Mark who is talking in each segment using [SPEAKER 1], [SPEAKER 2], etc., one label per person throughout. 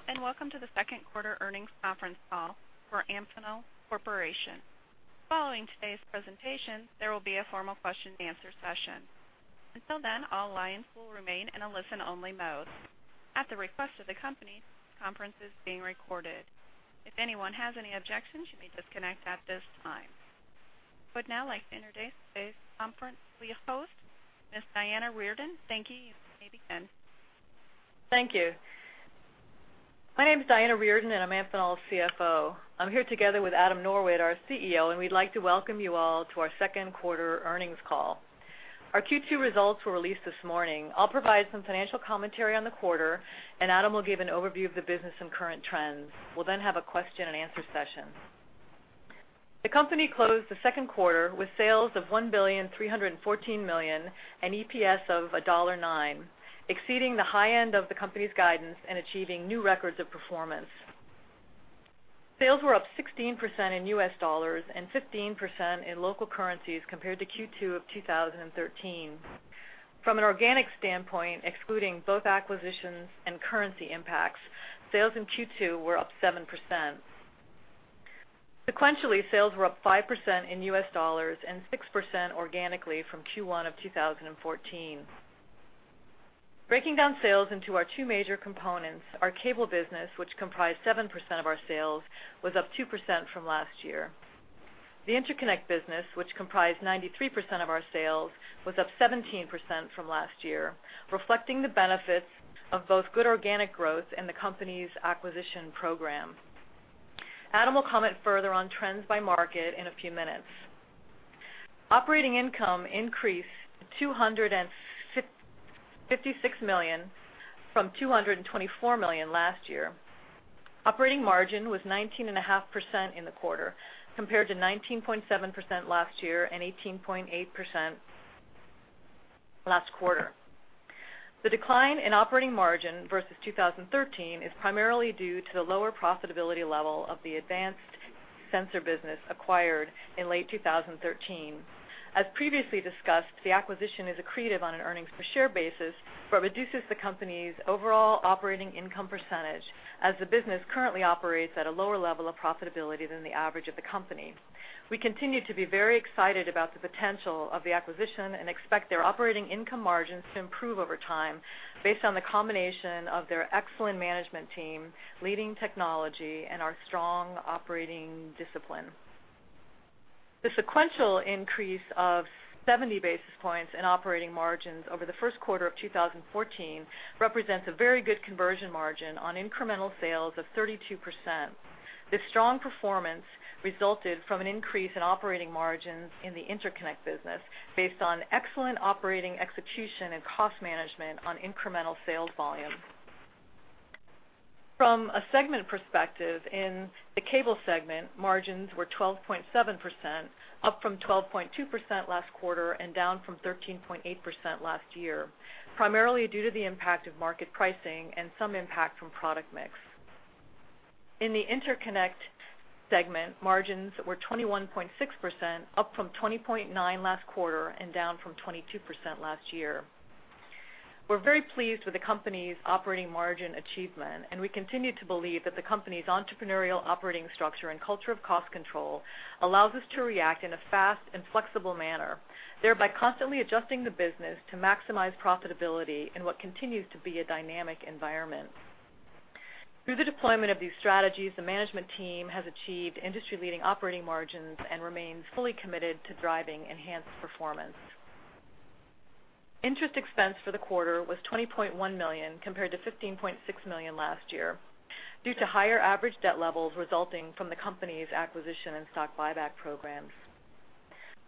[SPEAKER 1] Hello, and welcome to the second quarter earnings conference call for Amphenol Corporation. Following today's presentation, there will be a formal question-and-answer session. Until then, all lines will remain in a listen-only mode. At the request of the company, this conference is being recorded. If anyone has any objections, you may disconnect at this time. I would now like to introduce today's conference co-host, Ms. Diana Reardon. Thank you. You may begin.
[SPEAKER 2] Thank you. My name is Diana Reardon, and I'm Amphenol's CFO. I'm here together with Adam Norwitt, our CEO, and we'd like to welcome you all to our second quarter earnings call. Our Q2 results were released this morning. I'll provide some financial commentary on the quarter, and Adam will give an overview of the business and current trends. We'll then have a question-and-answer session. The company closed the second quarter with sales of $1.314 billion, and EPS of $1.9, exceeding the high end of the company's guidance and achieving new records of performance. Sales were up 16% in U.S. dollars and 15% in local currencies compared to Q2 of 2013. From an organic standpoint, excluding both acquisitions and currency impacts, sales in Q2 were up 7%. Sequentially, sales were up 5% in U.S. dollars and 6% organically from Q1 of 2014. Breaking down sales into our two major components, our cable business, which comprised 7% of our sales, was up 2% from last year. The interconnect business, which comprised 93% of our sales, was up 17% from last year, reflecting the benefits of both good organic growth and the company's acquisition program. Adam will comment further on trends by market in a few minutes. Operating income increased $256 million from $224 million last year. Operating margin was 19.5% in the quarter, compared to 19.7% last year and 18.8% last quarter. The decline in operating margin versus 2013 is primarily due to the lower profitability level of the Advanced Sensors business acquired in late 2013. As previously discussed, the acquisition is accretive on an earnings per share basis, but reduces the company's overall operating income percentage as the business currently operates at a lower level of profitability than the average of the company. We continue to be very excited about the potential of the acquisition and expect their operating income margins to improve over time based on the combination of their excellent management team, leading technology, and our strong operating discipline. The sequential increase of 70 basis points in operating margins over the first quarter of 2014 represents a very good conversion margin on incremental sales of 32%. This strong performance resulted from an increase in operating margins in the interconnect business based on excellent operating execution and cost management on incremental sales volume. From a segment perspective, in the cable segment, margins were 12.7%, up from 12.2% last quarter and down from 13.8% last year, primarily due to the impact of market pricing and some impact from product mix. In the interconnect segment, margins were 21.6%, up from 20.9% last quarter and down from 22% last year. We're very pleased with the company's operating margin achievement, and we continue to believe that the company's entrepreneurial operating structure and culture of cost control allows us to react in a fast and flexible manner, thereby constantly adjusting the business to maximize profitability in what continues to be a dynamic environment. Through the deployment of these strategies, the management team has achieved industry-leading operating margins and remains fully committed to driving enhanced performance. Interest expense for the quarter was $20.1 million, compared to $15.6 million last year, due to higher average debt levels resulting from the company's acquisition and stock buyback programs.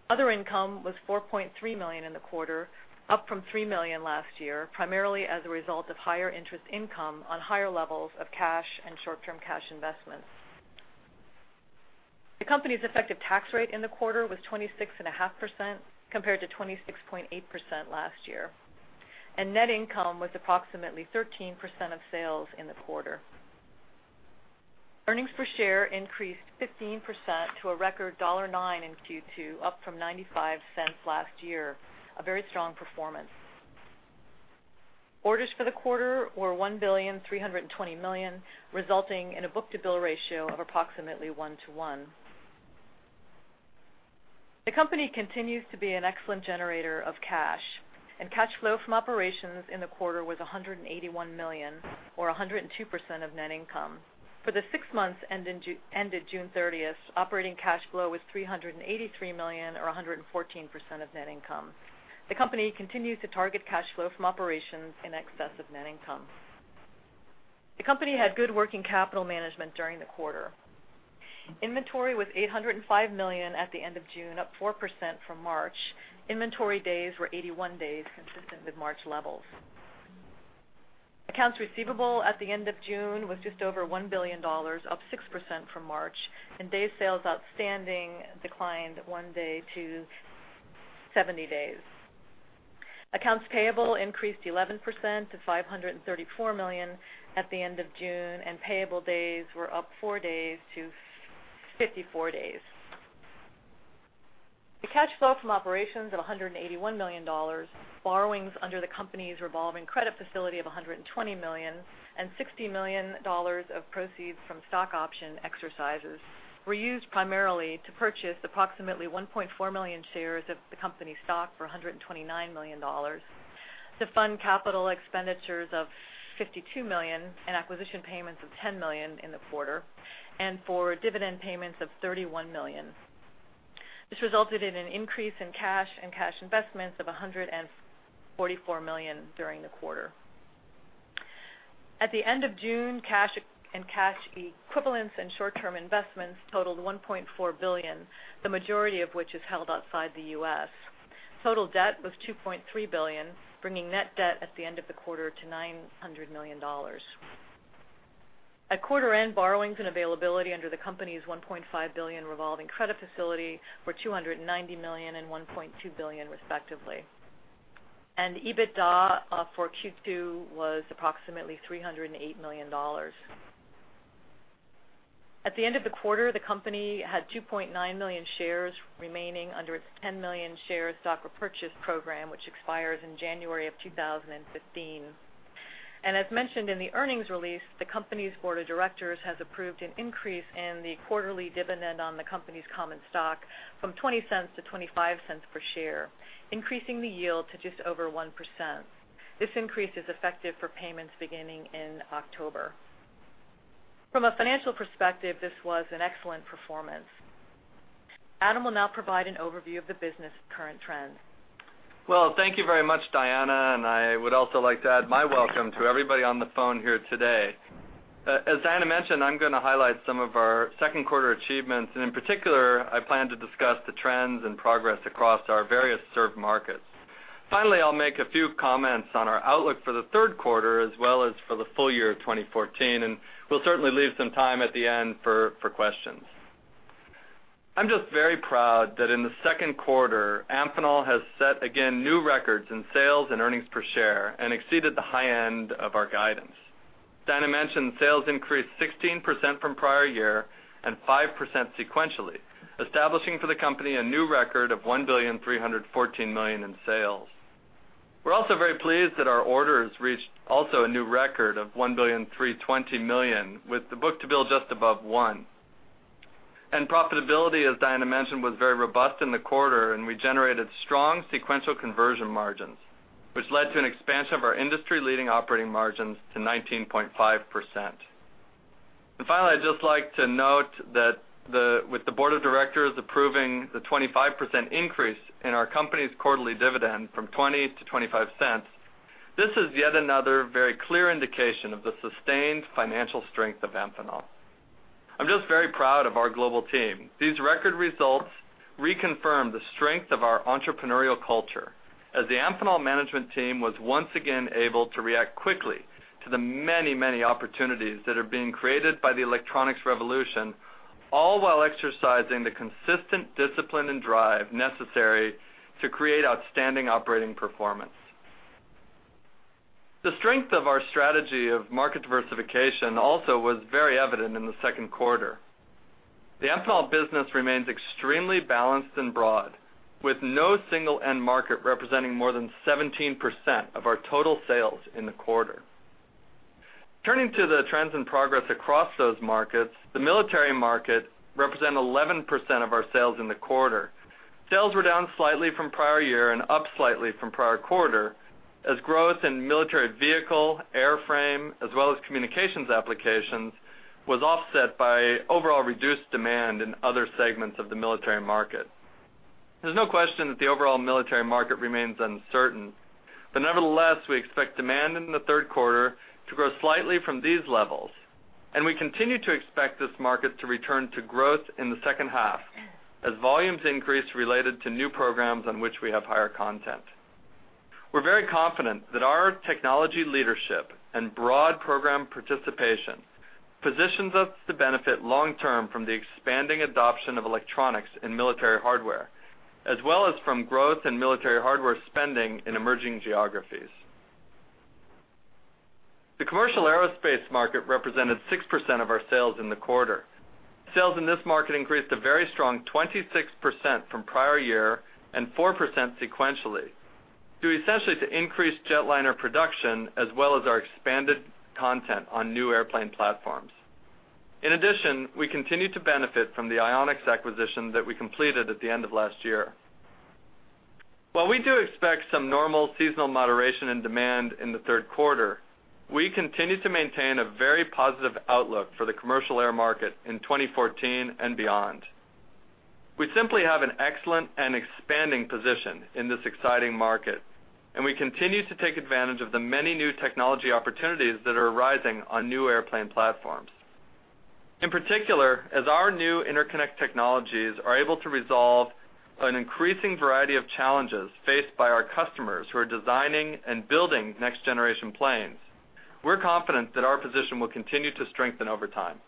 [SPEAKER 2] Other income was $4.3 million in the quarter, up from $3 million last year, primarily as a result of higher interest income on higher levels of cash and short-term cash investments. The company's effective tax rate in the quarter was 26.5%, compared to 26.8% last year, and net income was approximately 13% of sales in the quarter. Earnings per share increased 15% to a record $0.99 in Q2, up from $0.95 last year, a very strong performance. Orders for the quarter were $1.32 billion, resulting in a book-to-bill ratio of approximately 1:1. The company continues to be an excellent generator of cash, and cash flow from operations in the quarter was $181 million, or 102% of net income. For the six months ended ended June thirtieth, operating cash flow was $383 million, or 114% of net income. The company continues to target cash flow from operations in excess of net income. The company had good working capital management during the quarter. Inventory was $805 million at the end of June, up 4% from March. Inventory days were 81 days, consistent with March levels. Accounts receivable at the end of June was just over $1 billion, up 6% from March, and days sales outstanding declined 1 day to 70 days. Accounts payable increased 11% to $534 million at the end of June, and payable days were up 4 days to 54 days. The cash flow from operations of $181 million, borrowings under the company's revolving credit facility of $120 million, and $60 million of proceeds from stock option exercises were used primarily to purchase approximately 1.4 million shares of the company's stock for $129 million, to fund capital expenditures of $52 million, and acquisition payments of $10 million in the quarter, and for dividend payments of $31 million. This resulted in an increase in cash and cash investments of $144 million during the quarter. At the end of June, cash and cash equivalents and short-term investments totaled $1.4 billion, the majority of which is held outside the U.S. Total debt was $2.3 billion, bringing net debt at the end of the quarter to $900 million. At quarter end, borrowings and availability under the company's $1.5 billion revolving credit facility were $290 million and $1.2 billion, respectively. EBITDA for Q2 was approximately $308 million. At the end of the quarter, the company had 2.9 million shares remaining under its 10 million shares stock repurchase program, which expires in January 2015. As mentioned in the earnings release, the company's board of directors has approved an increase in the quarterly dividend on the company's common stock from $0.20 to $0.25 per share, increasing the yield to just over 1%. This increase is effective for payments beginning in October. From a financial perspective, this was an excellent performance. Adam will now provide an overview of the business current trends.
[SPEAKER 3] Well, thank you very much, Diana, and I would also like to add my welcome to everybody on the phone here today. As Diana mentioned, I'm gonna highlight some of our second quarter achievements, and in particular, I plan to discuss the trends and progress across our various served markets. Finally, I'll make a few comments on our outlook for the third quarter, as well as for the full year of 2014, and we'll certainly leave some time at the end for, for questions. I'm just very proud that in the second quarter, Amphenol has set again, new records in sales and earnings per share and exceeded the high end of our guidance. Diana mentioned sales increased 16% from prior year and 5% sequentially, establishing for the company a new record of $1.314 billion in sales. We're also very pleased that our orders reached a new record of $1.32 billion, with the book-to-bill just above one. Profitability, as Diana mentioned, was very robust in the quarter, and we generated strong sequential conversion margins, which led to an expansion of our industry-leading operating margins to 19.5%. Finally, I'd just like to note that with the board of directors approving the 25% increase in our company's quarterly dividend from $0.20 to $0.25, this is yet another very clear indication of the sustained financial strength of Amphenol. I'm just very proud of our global team. These record results reconfirm the strength of our entrepreneurial culture, as the Amphenol management team was once again able to react quickly to the many, many opportunities that are being created by the electronics revolution, all while exercising the consistent discipline and drive necessary to create outstanding operating performance. The strength of our strategy of market diversification also was very evident in the second quarter. The Amphenol business remains extremely balanced and broad, with no single end market representing more than 17% of our total sales in the quarter. Turning to the trends and progress across those markets, the military market represent 11% of our sales in the quarter. Sales were down slightly from prior year and up slightly from prior quarter, as growth in military vehicle, airframe, as well as communications applications, was offset by overall reduced demand in other segments of the military market. There's no question that the overall military market remains uncertain, but nevertheless, we expect demand in the third quarter to grow slightly from these levels. We continue to expect this market to return to growth in the second half as volumes increase related to new programs on which we have higher content. We're very confident that our technology leadership and broad program participation positions us to benefit long-term from the expanding adoption of electronics in military hardware, as well as from growth in military hardware spending in emerging geographies. The commercial aerospace market represented 6% of our sales in the quarter. Sales in this market increased a very strong 26% from prior year and 4% sequentially, due essentially to increased jetliner production, as well as our expanded content on new airplane platforms. In addition, we continue to benefit from the Ionix acquisition that we completed at the end of last year. While we do expect some normal seasonal moderation and demand in the third quarter, we continue to maintain a very positive outlook for the commercial air market in 2014 and beyond. We simply have an excellent and expanding position in this exciting market, and we continue to take advantage of the many new technology opportunities that are arising on new airplane platforms. In particular, as our new interconnect technologies are able to resolve an increasing variety of challenges faced by our customers who are designing and building next generation planes, we're confident that our position will continue to strengthen over time.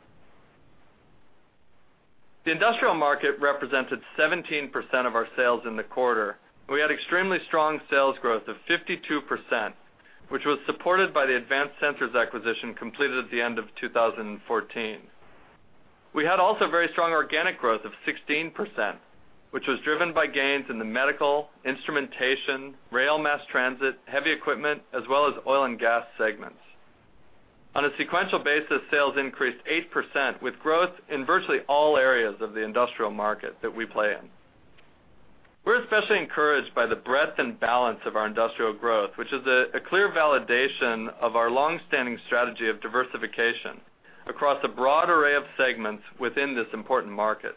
[SPEAKER 3] The industrial market represented 17% of our sales in the quarter. We had extremely strong sales growth of 52%-.. which was supported by the Advanced Sensors acquisition completed at the end of 2014. We had also very strong organic growth of 16%, which was driven by gains in the medical, instrumentation, rail, mass transit, heavy equipment, as well as oil and gas segments. On a sequential basis, sales increased 8%, with growth in virtually all areas of the industrial market that we play in. We're especially encouraged by the breadth and balance of our industrial growth, which is a clear validation of our long-standing strategy of diversification across a broad array of segments within this important market.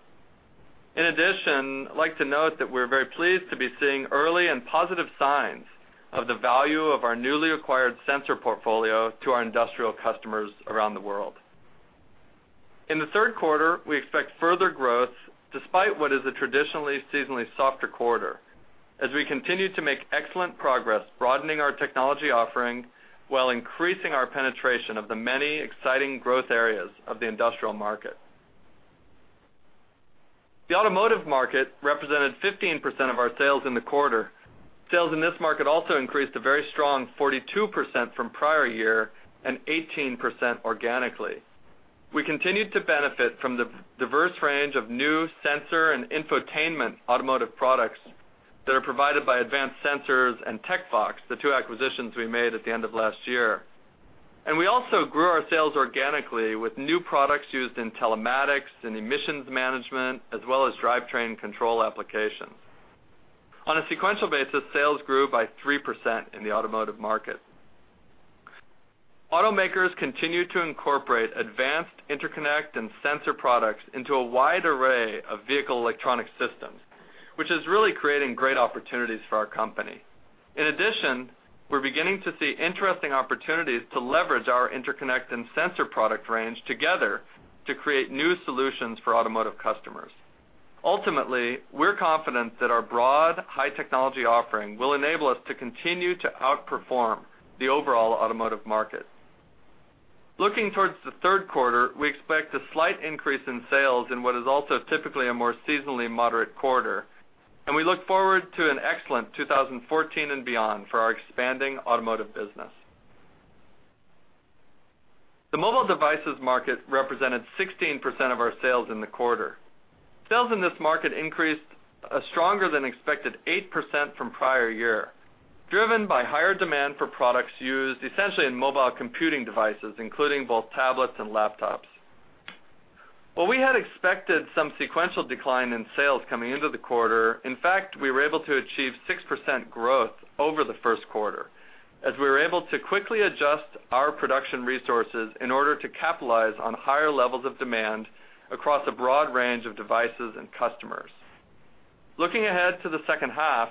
[SPEAKER 3] In addition, I'd like to note that we're very pleased to be seeing early and positive signs of the value of our newly acquired sensor portfolio to our industrial customers around the world. In the third quarter, we expect further growth, despite what is a traditionally seasonally softer quarter, as we continue to make excellent progress broadening our technology offering while increasing our penetration of the many exciting growth areas of the industrial market. The automotive market represented 15% of our sales in the quarter. Sales in this market also increased a very strong 42% from prior year and 18% organically. We continued to benefit from the diverse range of new sensor and infotainment automotive products that are provided by Advanced Sensors and Tecvox, the two acquisitions we made at the end of last year. We also grew our sales organically with new products used in telematics and emissions management, as well as drivetrain control applications. On a sequential basis, sales grew by 3% in the automotive market. Automakers continue to incorporate advanced interconnect and sensor products into a wide array of vehicle electronic systems, which is really creating great opportunities for our company. In addition, we're beginning to see interesting opportunities to leverage our interconnect and sensor product range together to create new solutions for automotive customers. Ultimately, we're confident that our broad, high technology offering will enable us to continue to outperform the overall automotive market. Looking towards the third quarter, we expect a slight increase in sales in what is also typically a more seasonally moderate quarter, and we look forward to an excellent 2014 and beyond for our expanding automotive business. The mobile devices market represented 16% of our sales in the quarter. Sales in this market increased a stronger-than-expected 8% from prior year, driven by higher demand for products used essentially in mobile computing devices, including both tablets and laptops. While we had expected some sequential decline in sales coming into the quarter, in fact, we were able to achieve 6% growth over the first quarter, as we were able to quickly adjust our production resources in order to capitalize on higher levels of demand across a broad range of devices and customers. Looking ahead to the second half,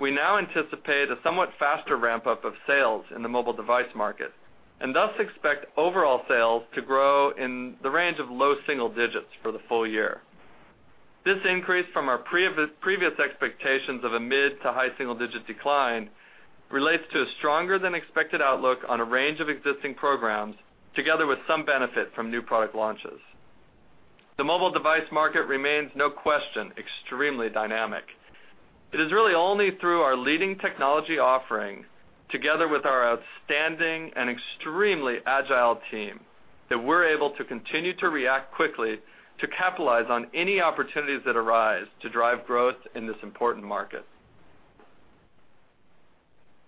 [SPEAKER 3] we now anticipate a somewhat faster ramp-up of sales in the mobile device market, and thus expect overall sales to grow in the range of low single digits for the full year. This increase from our previous expectations of a mid- to high-single-digit decline relates to a stronger-than-expected outlook on a range of existing programs, together with some benefit from new product launches. The mobile device market remains, no question, extremely dynamic. It is really only through our leading technology offerings, together with our outstanding and extremely agile team, that we're able to continue to react quickly to capitalize on any opportunities that arise to drive growth in this important market.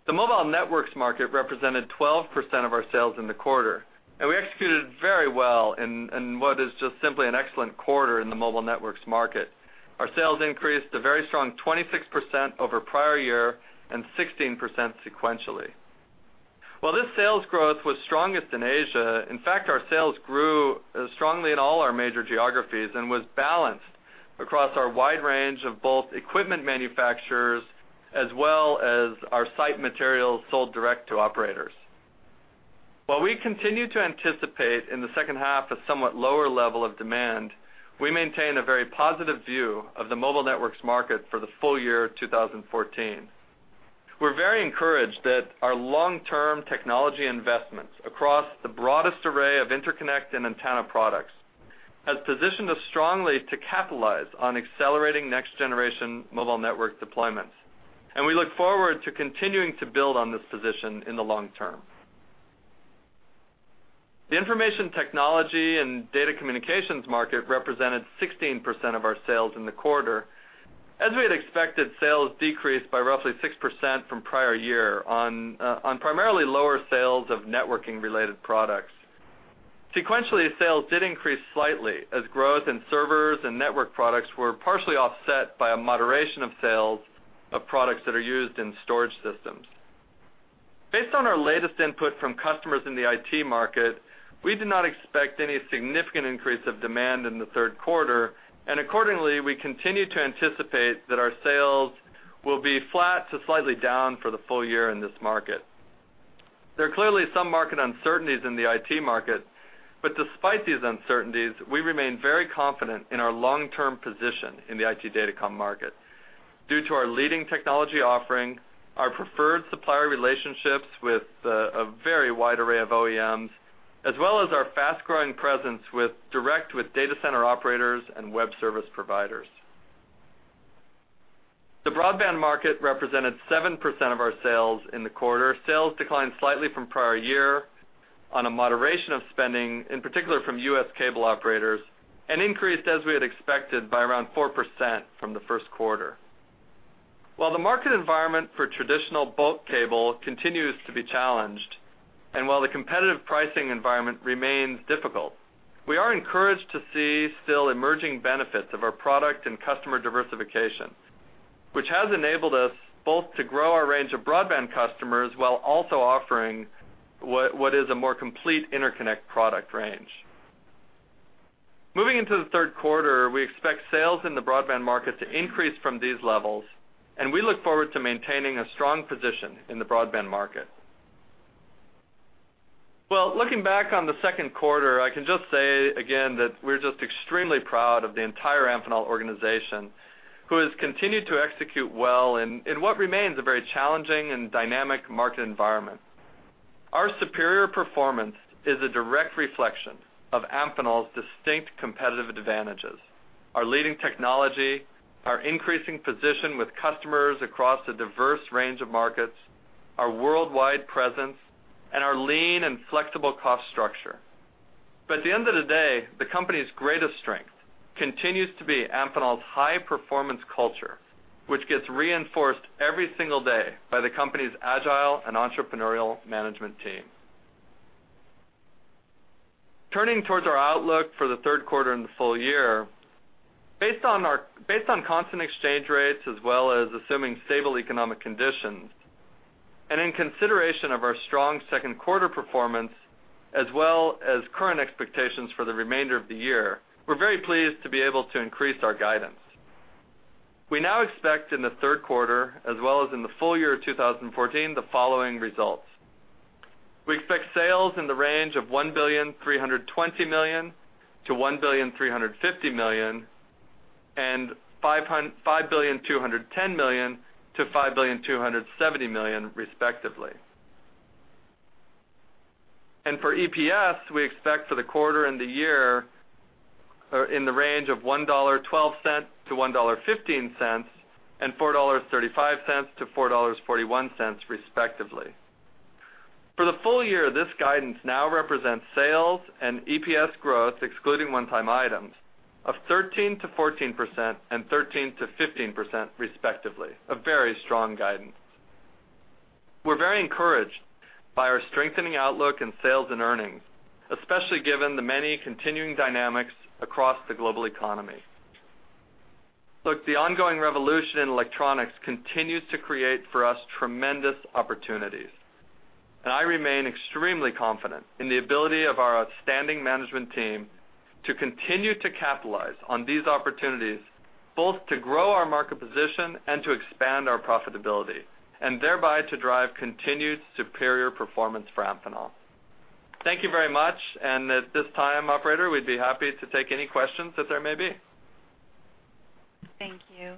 [SPEAKER 3] The mobile networks market represented 12% of our sales in the quarter, and we executed very well in what is just simply an excellent quarter in the mobile networks market. Our sales increased a very strong 26% over prior year and 16% sequentially. While this sales growth was strongest in Asia, in fact, our sales grew strongly in all our major geographies and was balanced across our wide range of both equipment manufacturers as well as our site materials sold direct to operators. While we continue to anticipate in the second half a somewhat lower level of demand, we maintain a very positive view of the mobile networks market for the full year 2014. We're very encouraged that our long-term technology investments across the broadest array of interconnect and antenna products has positioned us strongly to capitalize on accelerating next-generation mobile network deployments, and we look forward to continuing to build on this position in the long term. The information technology and data communications market represented 16% of our sales in the quarter. As we had expected, sales decreased by roughly 6% from prior year on, on primarily lower sales of networking-related products. Sequentially, sales did increase slightly, as growth in servers and network products were partially offset by a moderation of sales of products that are used in storage systems. Based on our latest input from customers in the IT market, we do not expect any significant increase of demand in the third quarter, and accordingly, we continue to anticipate that our sales will be flat to slightly down for the full year in this market. There are clearly some market uncertainties in the IT market, but despite these uncertainties, we remain very confident in our long-term position in the IT Datacom market due to our leading technology offering, our preferred supplier relationships with a very wide array of OEMs, as well as our fast-growing presence with direct with data center operators and web service providers. The broadband market represented 7% of our sales in the quarter. Sales declined slightly from prior year on a moderation of spending, in particular from U.S. cable operators, and increased, as we had expected, by around 4% from the first quarter. While the market environment for traditional bulk cable continues to be challenged, and while the competitive pricing environment remains difficult, we are encouraged to see still emerging benefits of our product and customer diversification, which has enabled us both to grow our range of broadband customers while also offering what is a more complete interconnect product range. Moving into the third quarter, we expect sales in the broadband market to increase from these levels, and we look forward to maintaining a strong position in the broadband market. Well, looking back on the second quarter, I can just say again that we're just extremely proud of the entire Amphenol organization, who has continued to execute well in what remains a very challenging and dynamic market environment. Our superior performance is a direct reflection of Amphenol's distinct competitive advantages, our leading technology, our increasing position with customers across a diverse range of markets, our worldwide presence, and our lean and flexible cost structure. But at the end of the day, the company's greatest strength continues to be Amphenol's high-performance culture, which gets reinforced every single day by the company's agile and entrepreneurial management team. Turning towards our outlook for the third quarter and the full year, based on constant exchange rates, as well as assuming stable economic conditions, and in consideration of our strong second quarter performance, as well as current expectations for the remainder of the year, we're very pleased to be able to increase our guidance. We now expect in the third quarter, as well as in the full year of 2014, the following results: We expect sales in the range of $1.32 billion-$1.35 billion and $5.21 billion-$5.27 billion, respectively. And for EPS, we expect for the quarter and the year in the range of $1.12-$1.15 and $4.35-$4.41, respectively. For the full year, this guidance now represents sales and EPS growth, excluding one-time items, of 13%-14% and 13%-15%, respectively, a very strong guidance. We're very encouraged by our strengthening outlook in sales and earnings, especially given the many continuing dynamics across the global economy. Look, the ongoing revolution in electronics continues to create for us tremendous opportunities, and I remain extremely confident in the ability of our outstanding management team to continue to capitalize on these opportunities, both to grow our market position and to expand our profitability, and thereby to drive continued superior performance for Amphenol. Thank you very much, and at this time, operator, we'd be happy to take any questions that there may be.
[SPEAKER 1] Thank you.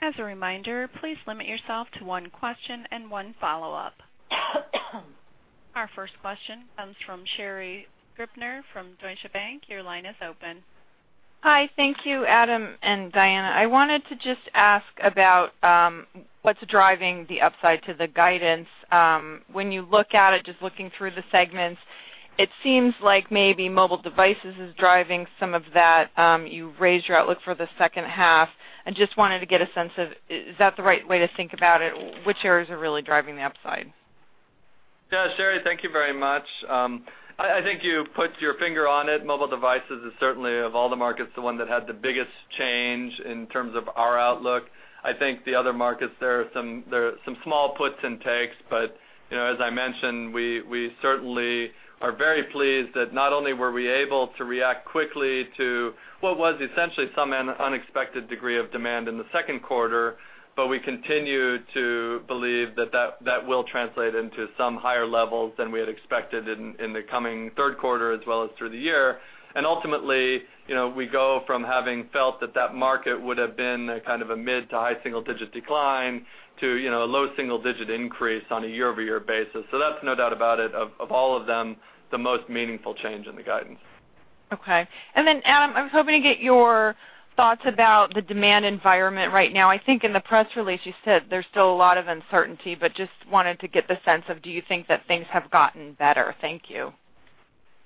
[SPEAKER 1] As a reminder, please limit yourself to one question and one follow-up. Our first question comes from Sherri Scribner from Deutsche Bank. Your line is open.
[SPEAKER 4] Hi. Thank you, Adam and Diana. I wanted to just ask about what's driving the upside to the guidance. When you look at it, just looking through the segments, it seems like maybe mobile devices is driving some of that. You raised your outlook for the second half. I just wanted to get a sense of, is that the right way to think about it? Which areas are really driving the upside?
[SPEAKER 3] Yeah, Sherri, thank you very much. I think you put your finger on it. Mobile devices is certainly, of all the markets, the one that had the biggest change in terms of our outlook. I think the other markets, there are some small puts and takes, but, you know, as I mentioned, we certainly are very pleased that not only were we able to react quickly to what was essentially an unexpected degree of demand in the second quarter, but we continue to believe that that will translate into some higher levels than we had expected in the coming third quarter, as well as through the year. Ultimately, you know, we go from having felt that that market would have been a kind of a mid- to high-single-digit decline to, you know, a low-single-digit increase on a year-over-year basis. So that's no doubt about it, of all of them, the most meaningful change in the guidance.
[SPEAKER 4] Okay. And then, Adam, I was hoping to get your thoughts about the demand environment right now. I think in the press release, you said there's still a lot of uncertainty, but just wanted to get the sense of, do you think that things have gotten better? Thank you.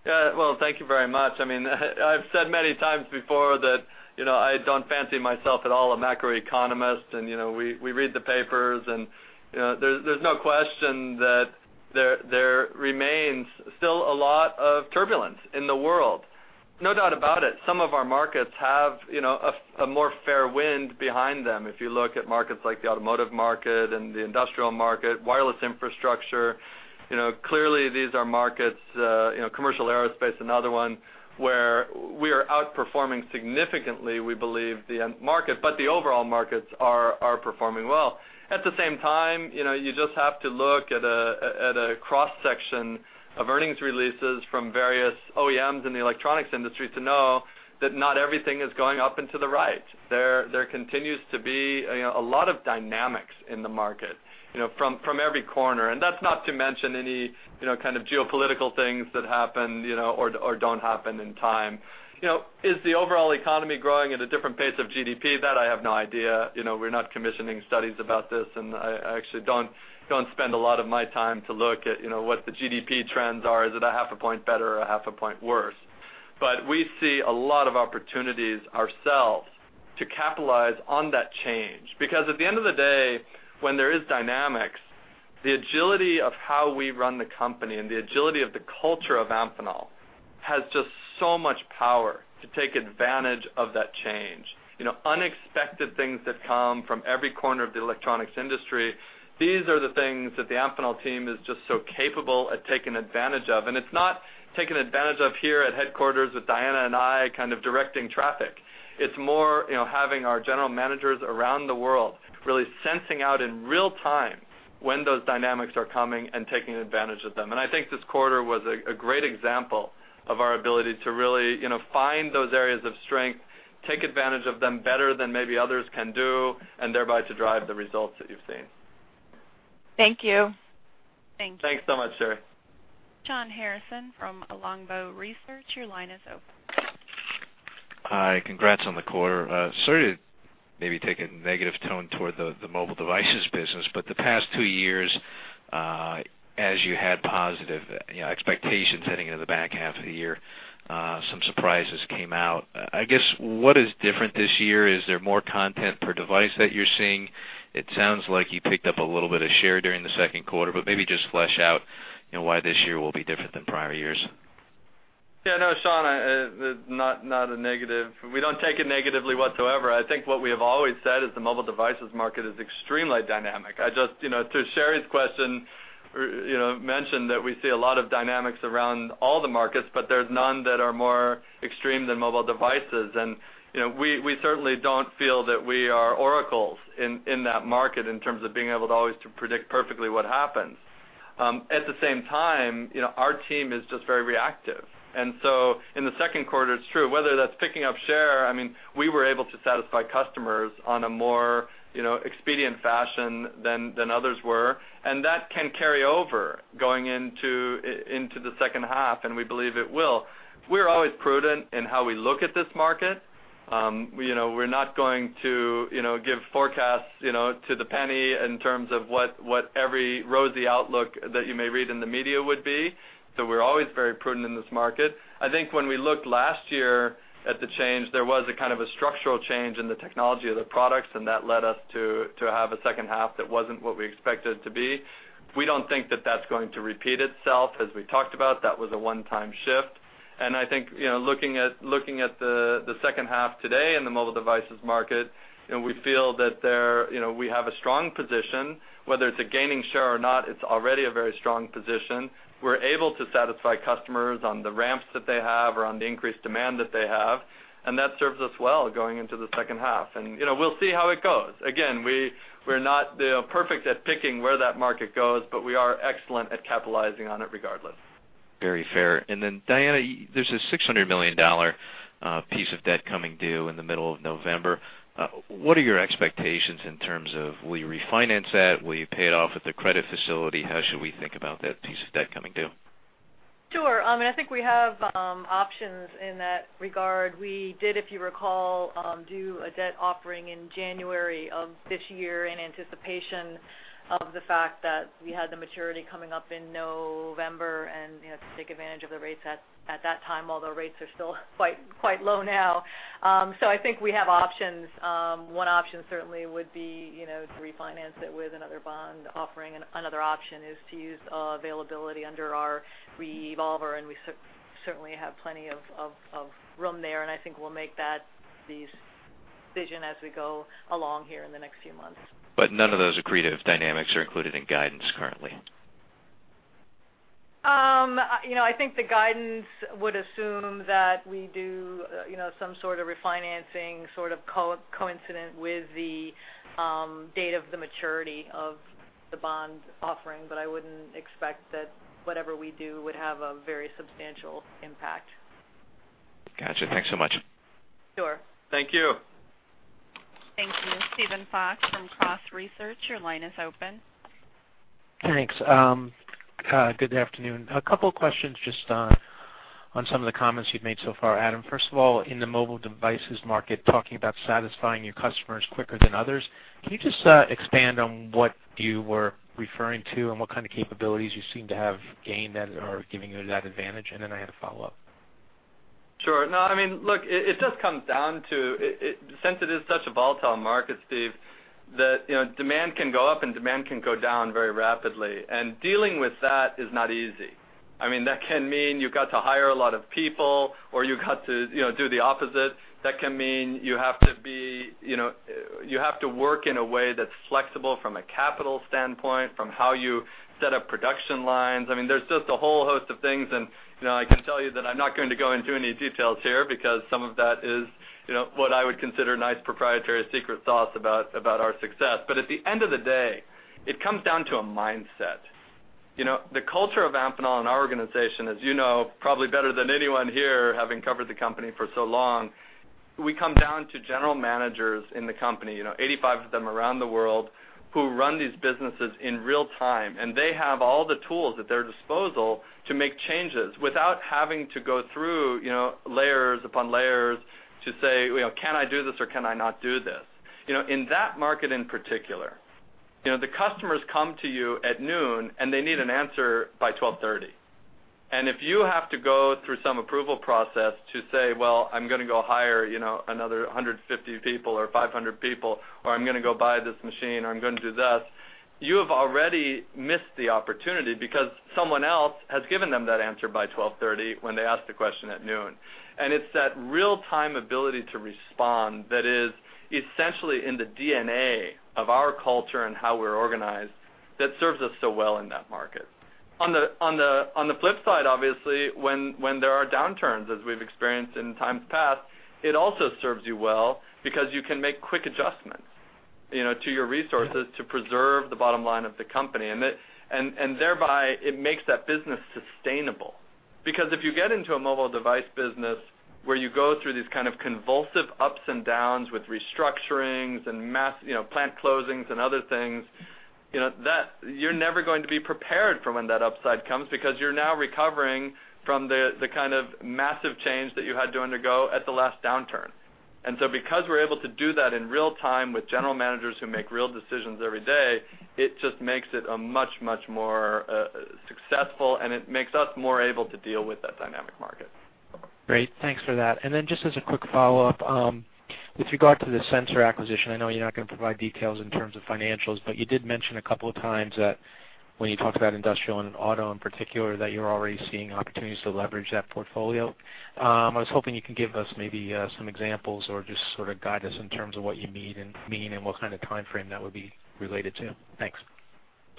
[SPEAKER 3] Yeah, well, thank you very much. I mean, I've said many times before that, you know, I don't fancy myself at all a macroeconomist, and, you know, we read the papers and, you know, there's no question that there remains still a lot of turbulence in the world. No doubt about it, some of our markets have, you know, a more fair wind behind them. If you look at markets like the automotive market and the industrial market, wireless infrastructure, you know, clearly, these are markets, you know, commercial aerospace, another one, where we are outperforming significantly, we believe, the end market, but the overall markets are performing well. At the same time, you know, you just have to look at a cross-section of earnings releases from various OEMs in the electronics industry to know that not everything is going up and to the right. There continues to be, you know, a lot of dynamics in the market, you know, from every corner. And that's not to mention any, you know, kind of geopolitical things that happen, you know, or don't happen in time. You know, is the overall economy growing at a different pace of GDP? That I have no idea. You know, we're not commissioning studies about this, and I actually don't spend a lot of my time to look at, you know, what the GDP trends are. Is it a half a point better or a half a point worse?... But we see a lot of opportunities ourselves to capitalize on that change, because at the end of the day, when there is dynamics, the agility of how we run the company and the agility of the culture of Amphenol has just so much power to take advantage of that change. You know, unexpected things that come from every corner of the electronics industry, these are the things that the Amphenol team is just so capable at taking advantage of. It's not taking advantage of here at headquarters with Diana and I kind of directing traffic. It's more, you know, having our general managers around the world really sensing out in real time when those dynamics are coming and taking advantage of them. I think this quarter was a great example of our ability to really, you know, find those areas of strength, take advantage of them better than maybe others can do, and thereby to drive the results that you've seen.
[SPEAKER 5] Thank you.
[SPEAKER 3] Thanks so much, Sherri.
[SPEAKER 1] Shawn Harrison from Longbow Research, your line is open.
[SPEAKER 6] Hi, congrats on the quarter. Sorry to maybe take a negative tone toward the mobile devices business, but the past two years, as you had positive, you know, expectations heading into the back half of the year, some surprises came out. I guess, what is different this year? Is there more content per device that you're seeing? It sounds like you picked up a little bit of share during the second quarter, but maybe just flesh out, you know, why this year will be different than prior years.
[SPEAKER 3] Yeah, no, Shawn, not, not a negative. We don't take it negatively whatsoever. I think what we have always said is the mobile devices market is extremely dynamic. I just, you know, to Sherri's question, you know, mentioned that we see a lot of dynamics around all the markets, but there's none that are more extreme than mobile devices. And, you know, we, we certainly don't feel that we are oracles in, in that market in terms of being able to always to predict perfectly what happens. At the same time, you know, our team is just very reactive. And so in the second quarter, it's true, whether that's picking up share, I mean, we were able to satisfy customers on a more, you know, expedient fashion than, than others were, and that can carry over going into into the second half, and we believe it will. We're always prudent in how we look at this market. You know, we're not going to, you know, give forecasts, you know, to the penny in terms of what every rosy outlook that you may read in the media would be. So we're always very prudent in this market. I think when we looked last year at the change, there was a kind of a structural change in the technology of the products, and that led us to have a second half that wasn't what we expected it to be. We don't think that that's going to repeat itself. As we talked about, that was a one-time shift. And I think, you know, looking at the second half today in the mobile devices market, and we feel that there, you know, we have a strong position, whether it's gaining share or not, it's already a very strong position. We're able to satisfy customers on the ramps that they have or on the increased demand that they have, and that serves us well going into the second half. And, you know, we'll see how it goes. Again, we're not, you know, perfect at picking where that market goes, but we are excellent at capitalizing on it regardless.
[SPEAKER 6] Very fair. And then, Diana, there's a $600 million piece of debt coming due in the middle of November. What are your expectations in terms of, will you refinance that? Will you pay it off with the credit facility? How should we think about that piece of debt coming due?
[SPEAKER 2] Sure. I mean, I think we have options in that regard. We did, if you recall, do a debt offering in January of this year in anticipation of the fact that we had the maturity coming up in November, and, you know, to take advantage of the rates at that time, although rates are still quite low now. So I think we have options. One option certainly would be, you know, to refinance it with another bond offering, and another option is to use availability under our revolver, and we certainly have plenty of room there, and I think we'll make that decision as we go along here in the next few months.
[SPEAKER 6] But none of those accretive dynamics are included in guidance currently?
[SPEAKER 2] You know, I think the guidance would assume that we do, you know, some sort of refinancing, sort of coincident with the date of the maturity of the bond offering, but I wouldn't expect that whatever we do would have a very substantial impact.
[SPEAKER 6] Gotcha. Thanks so much.
[SPEAKER 2] Sure.
[SPEAKER 3] Thank you.
[SPEAKER 1] Thank you. Steven Fox from Cross Research, your line is open.
[SPEAKER 5] Thanks. Good afternoon. A couple of questions just on some of the comments you've made so far, Adam. First of all, in the mobile devices market, talking about satisfying your customers quicker than others, can you just expand on what you were referring to and what kind of capabilities you seem to have gained that are giving you that advantage? And then I had a follow-up.
[SPEAKER 3] Sure. No, I mean, look, it just comes down to... since it is such a volatile market, Steve, that, you know, demand can go up and demand can go down very rapidly, and dealing with that is not easy. I mean, that can mean you've got to hire a lot of people, or you've got to, you know, do the opposite. That can mean you have to be, you know, you have to work in a way that's flexible from a capital standpoint, from how you set up production lines. I mean, there's just a whole host of things, and, you know, I can tell you that I'm not going to go into any details here because some of that is, you know, what I would consider nice, proprietary secret sauce about our success. But at the end of the day, it comes down to a mindset. You know, the culture of Amphenol and our organization, as you know, probably better than anyone here, having covered the company for so long, we come down to general managers in the company, you know, 85 of them around the world, who run these businesses in real time, and they have all the tools at their disposal to make changes without having to go through, you know, layers upon layers to say, you know, "Can I do this, or can I not do this?" You know, in that market in particular, you know, the customers come to you at noon, and they need an answer by 12:30 P.M. If you have to go through some approval process to say, Well, I'm gonna go hire, you know, another 150 people or 500 people, or I'm gonna go buy this machine, or I'm gonna do this, you have already missed the opportunity because someone else has given them that answer by 12:30 P.M. when they asked the question at noon. It's that real-time ability to respond that is essentially in the DNA of our culture and how we're organized, that serves us so well in that market. On the flip side, obviously, when there are downturns, as we've experienced in times past, it also serves you well because you can make quick adjustments, you know, to your resources to preserve the bottom line of the company, and thereby it makes that business sustainable. Because if you get into a mobile device business where you go through these kind of convulsive ups and downs with restructurings and mass, you know, plant closings and other things, you know, that you're never going to be prepared for when that upside comes, because you're now recovering from the, the kind of massive change that you had to undergo at the last downturn. And so because we're able to do that in real time with general managers who make real decisions every day, it just makes it a much, much more successful, and it makes us more able to deal with that dynamic market.
[SPEAKER 5] Great, thanks for that. And then just as a quick follow-up, with regard to the Sensor acquisition, I know you're not gonna provide details in terms of financials, but you did mention a couple of times that when you talked about industrial and auto, in particular, that you're already seeing opportunities to leverage that portfolio. I was hoping you could give us maybe some examples or just sort of guide us in terms of what you mean, and what kind of time frame that would be related to. Thanks.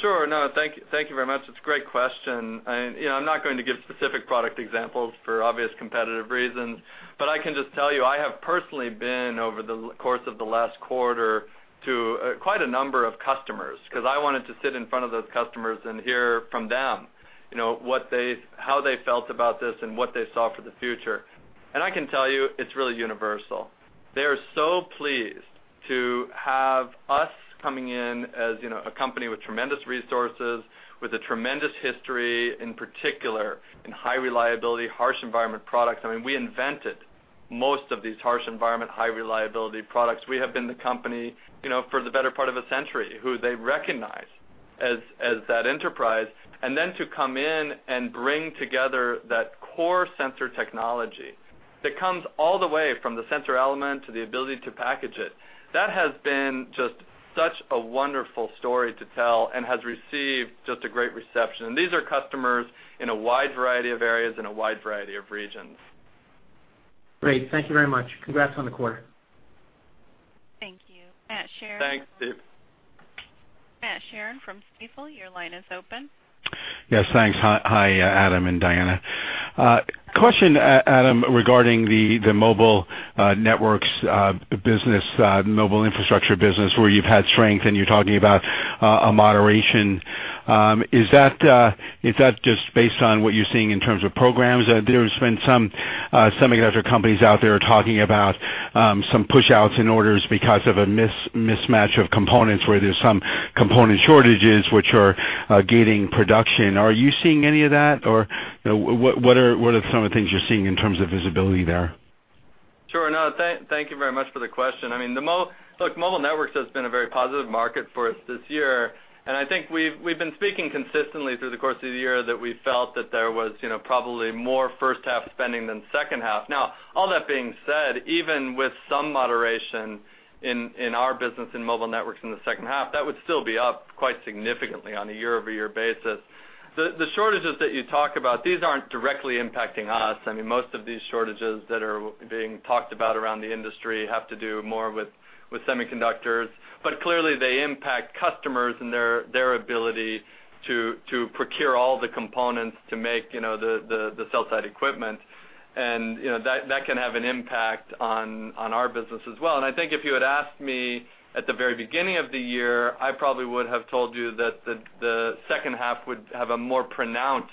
[SPEAKER 3] Sure. No, thank you very much. It's a great question. And, you know, I'm not going to give specific product examples for obvious competitive reasons, but I can just tell you, I have personally been, over the course of the last quarter, to quite a number of customers because I wanted to sit in front of those customers and hear from them, you know, what they... How they felt about this and what they saw for the future. And I can tell you, it's really universal. They are so pleased to have us coming in as, you know, a company with tremendous resources, with a tremendous history, in particular, in high reliability, harsh environment products. I mean, we invented most of these harsh environment, high reliability products. We have been the company, you know, for the better part of a century, who they recognize as that enterprise, and then to come in and bring together that core sensor technology that comes all the way from the sensor element to the ability to package it. That has been just such a wonderful story to tell and has received just a great reception. And these are customers in a wide variety of areas, in a wide variety of regions.
[SPEAKER 5] Great. Thank you very much. Congrats on the quarter.
[SPEAKER 1] Thank you. Matt Sheerin-
[SPEAKER 3] Thanks, Steve.
[SPEAKER 1] Matt Sheerin from Stifel, your line is open.
[SPEAKER 7] Yes, thanks. Hi, Adam and Diana. Question, Adam, regarding the mobile networks business, mobile infrastructure business, where you've had strength and you're talking about a moderation. Is that just based on what you're seeing in terms of programs? There's been some semiconductor companies out there talking about some push outs in orders because of a mismatch of components, where there's some component shortages, which are gating production. Are you seeing any of that? Or, you know, what are some of the things you're seeing in terms of visibility there?
[SPEAKER 3] Sure. No, thank you very much for the question. I mean, look, mobile networks has been a very positive market for us this year, and I think we've been speaking consistently through the course of the year that we felt that there was, you know, probably more first half spending than second half. Now, all that being said, even with some moderation in our business in mobile networks in the second half, that would still be up quite significantly on a year-over-year basis. The shortages that you talk about, these aren't directly impacting us. I mean, most of these shortages that are being talked about around the industry have to do more with semiconductors, but clearly, they impact customers and their ability to procure all the components to make, you know, the cell site equipment. You know, that, that can have an impact on, on our business as well. I think if you had asked me at the very beginning of the year, I probably would have told you that the, the second half would have a more pronounced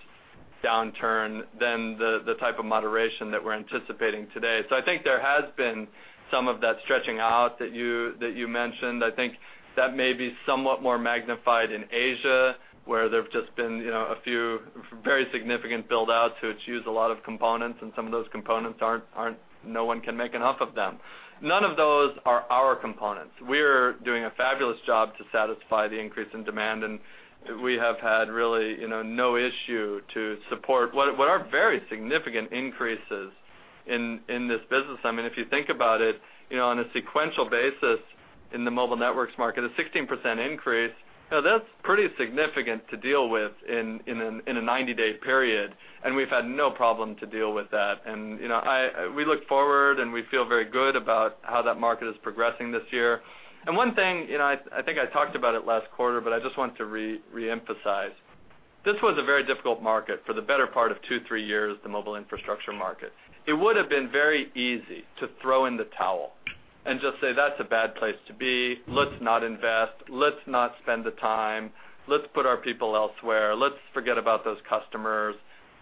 [SPEAKER 3] downturn than the, the type of moderation that we're anticipating today. I think there has been some of that stretching out that you, that you mentioned. I think that may be somewhat more magnified in Asia, where there have just been, you know, a few very significant build-outs, which use a lot of components, and some of those components aren't. No one can make enough of them. None of those are our components. We're doing a fabulous job to satisfy the increase in demand, and we have had really, you know, no issue to support what are, what are very significant increases in, in this business. I mean, if you think about it, you know, on a sequential basis in the mobile networks market, a 16% increase, you know, that's pretty significant to deal with in, in a, in a 90-day period, and we've had no problem to deal with that. And, you know, we look forward, and we feel very good about how that market is progressing this year. And one thing, you know, I, I think I talked about it last quarter, but I just want to re-emphasize. This was a very difficult market for the better part of two, three years, the mobile infrastructure market. It would have been very easy to throw in the towel and just say: That's a bad place to be. Let's not invest. Let's not spend the time. Let's put our people elsewhere. Let's forget about those customers.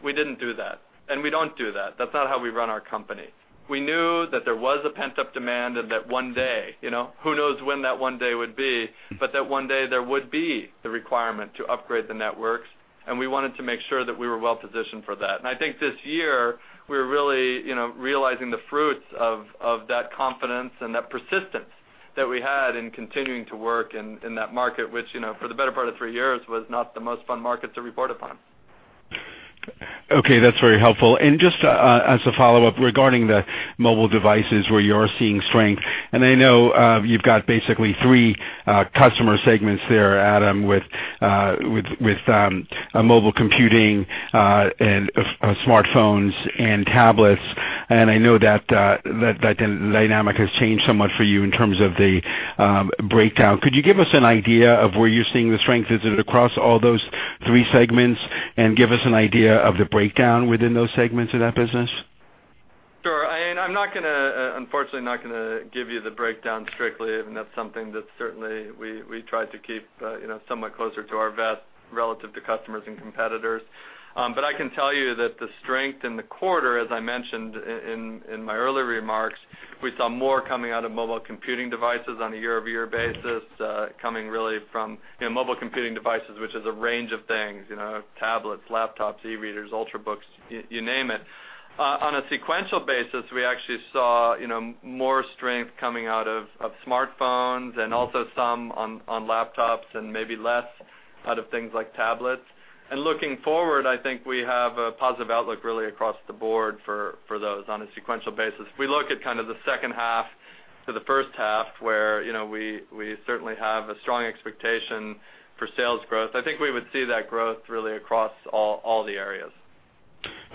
[SPEAKER 3] We didn't do that, and we don't do that. That's not how we run our company. We knew that there was a pent-up demand and that one day, you know, who knows when that one day would be, but that one day there would be the requirement to upgrade the networks, and we wanted to make sure that we were well-positioned for that. I think this year, we're really, you know, realizing the fruits of, of that confidence and that persistence that we had in continuing to work in, in that market, which, you know, for the better part of three years, was not the most fun market to report upon. ...
[SPEAKER 7] Okay, that's very helpful. And just as a follow-up, regarding the mobile devices where you are seeing strength, and I know you've got basically three customer segments there, Adam, with a mobile computing and smartphones and tablets, and I know that that dynamic has changed so much for you in terms of the breakdown. Could you give us an idea of where you're seeing the strength? Is it across all those three segments? And give us an idea of the breakdown within those segments of that business.
[SPEAKER 3] Sure. I'm not gonna, unfortunately, not gonna give you the breakdown strictly, and that's something that certainly we, we try to keep, you know, somewhat closer to our vest relative to customers and competitors. But I can tell you that the strength in the quarter, as I mentioned in my earlier remarks, we saw more coming out of mobile computing devices on a year-over-year basis, coming really from, you know, mobile computing devices, which is a range of things, you know, tablets, laptops, e-readers, Ultrabooks, you name it. On a sequential basis, we actually saw, you know, more strength coming out of, of smartphones and also some on, on laptops and maybe less out of things like tablets. And looking forward, I think we have a positive outlook really across the board for, for those on a sequential basis. If we look at kind of the second half to the first half, where, you know, we certainly have a strong expectation for sales growth, I think we would see that growth really across all the areas.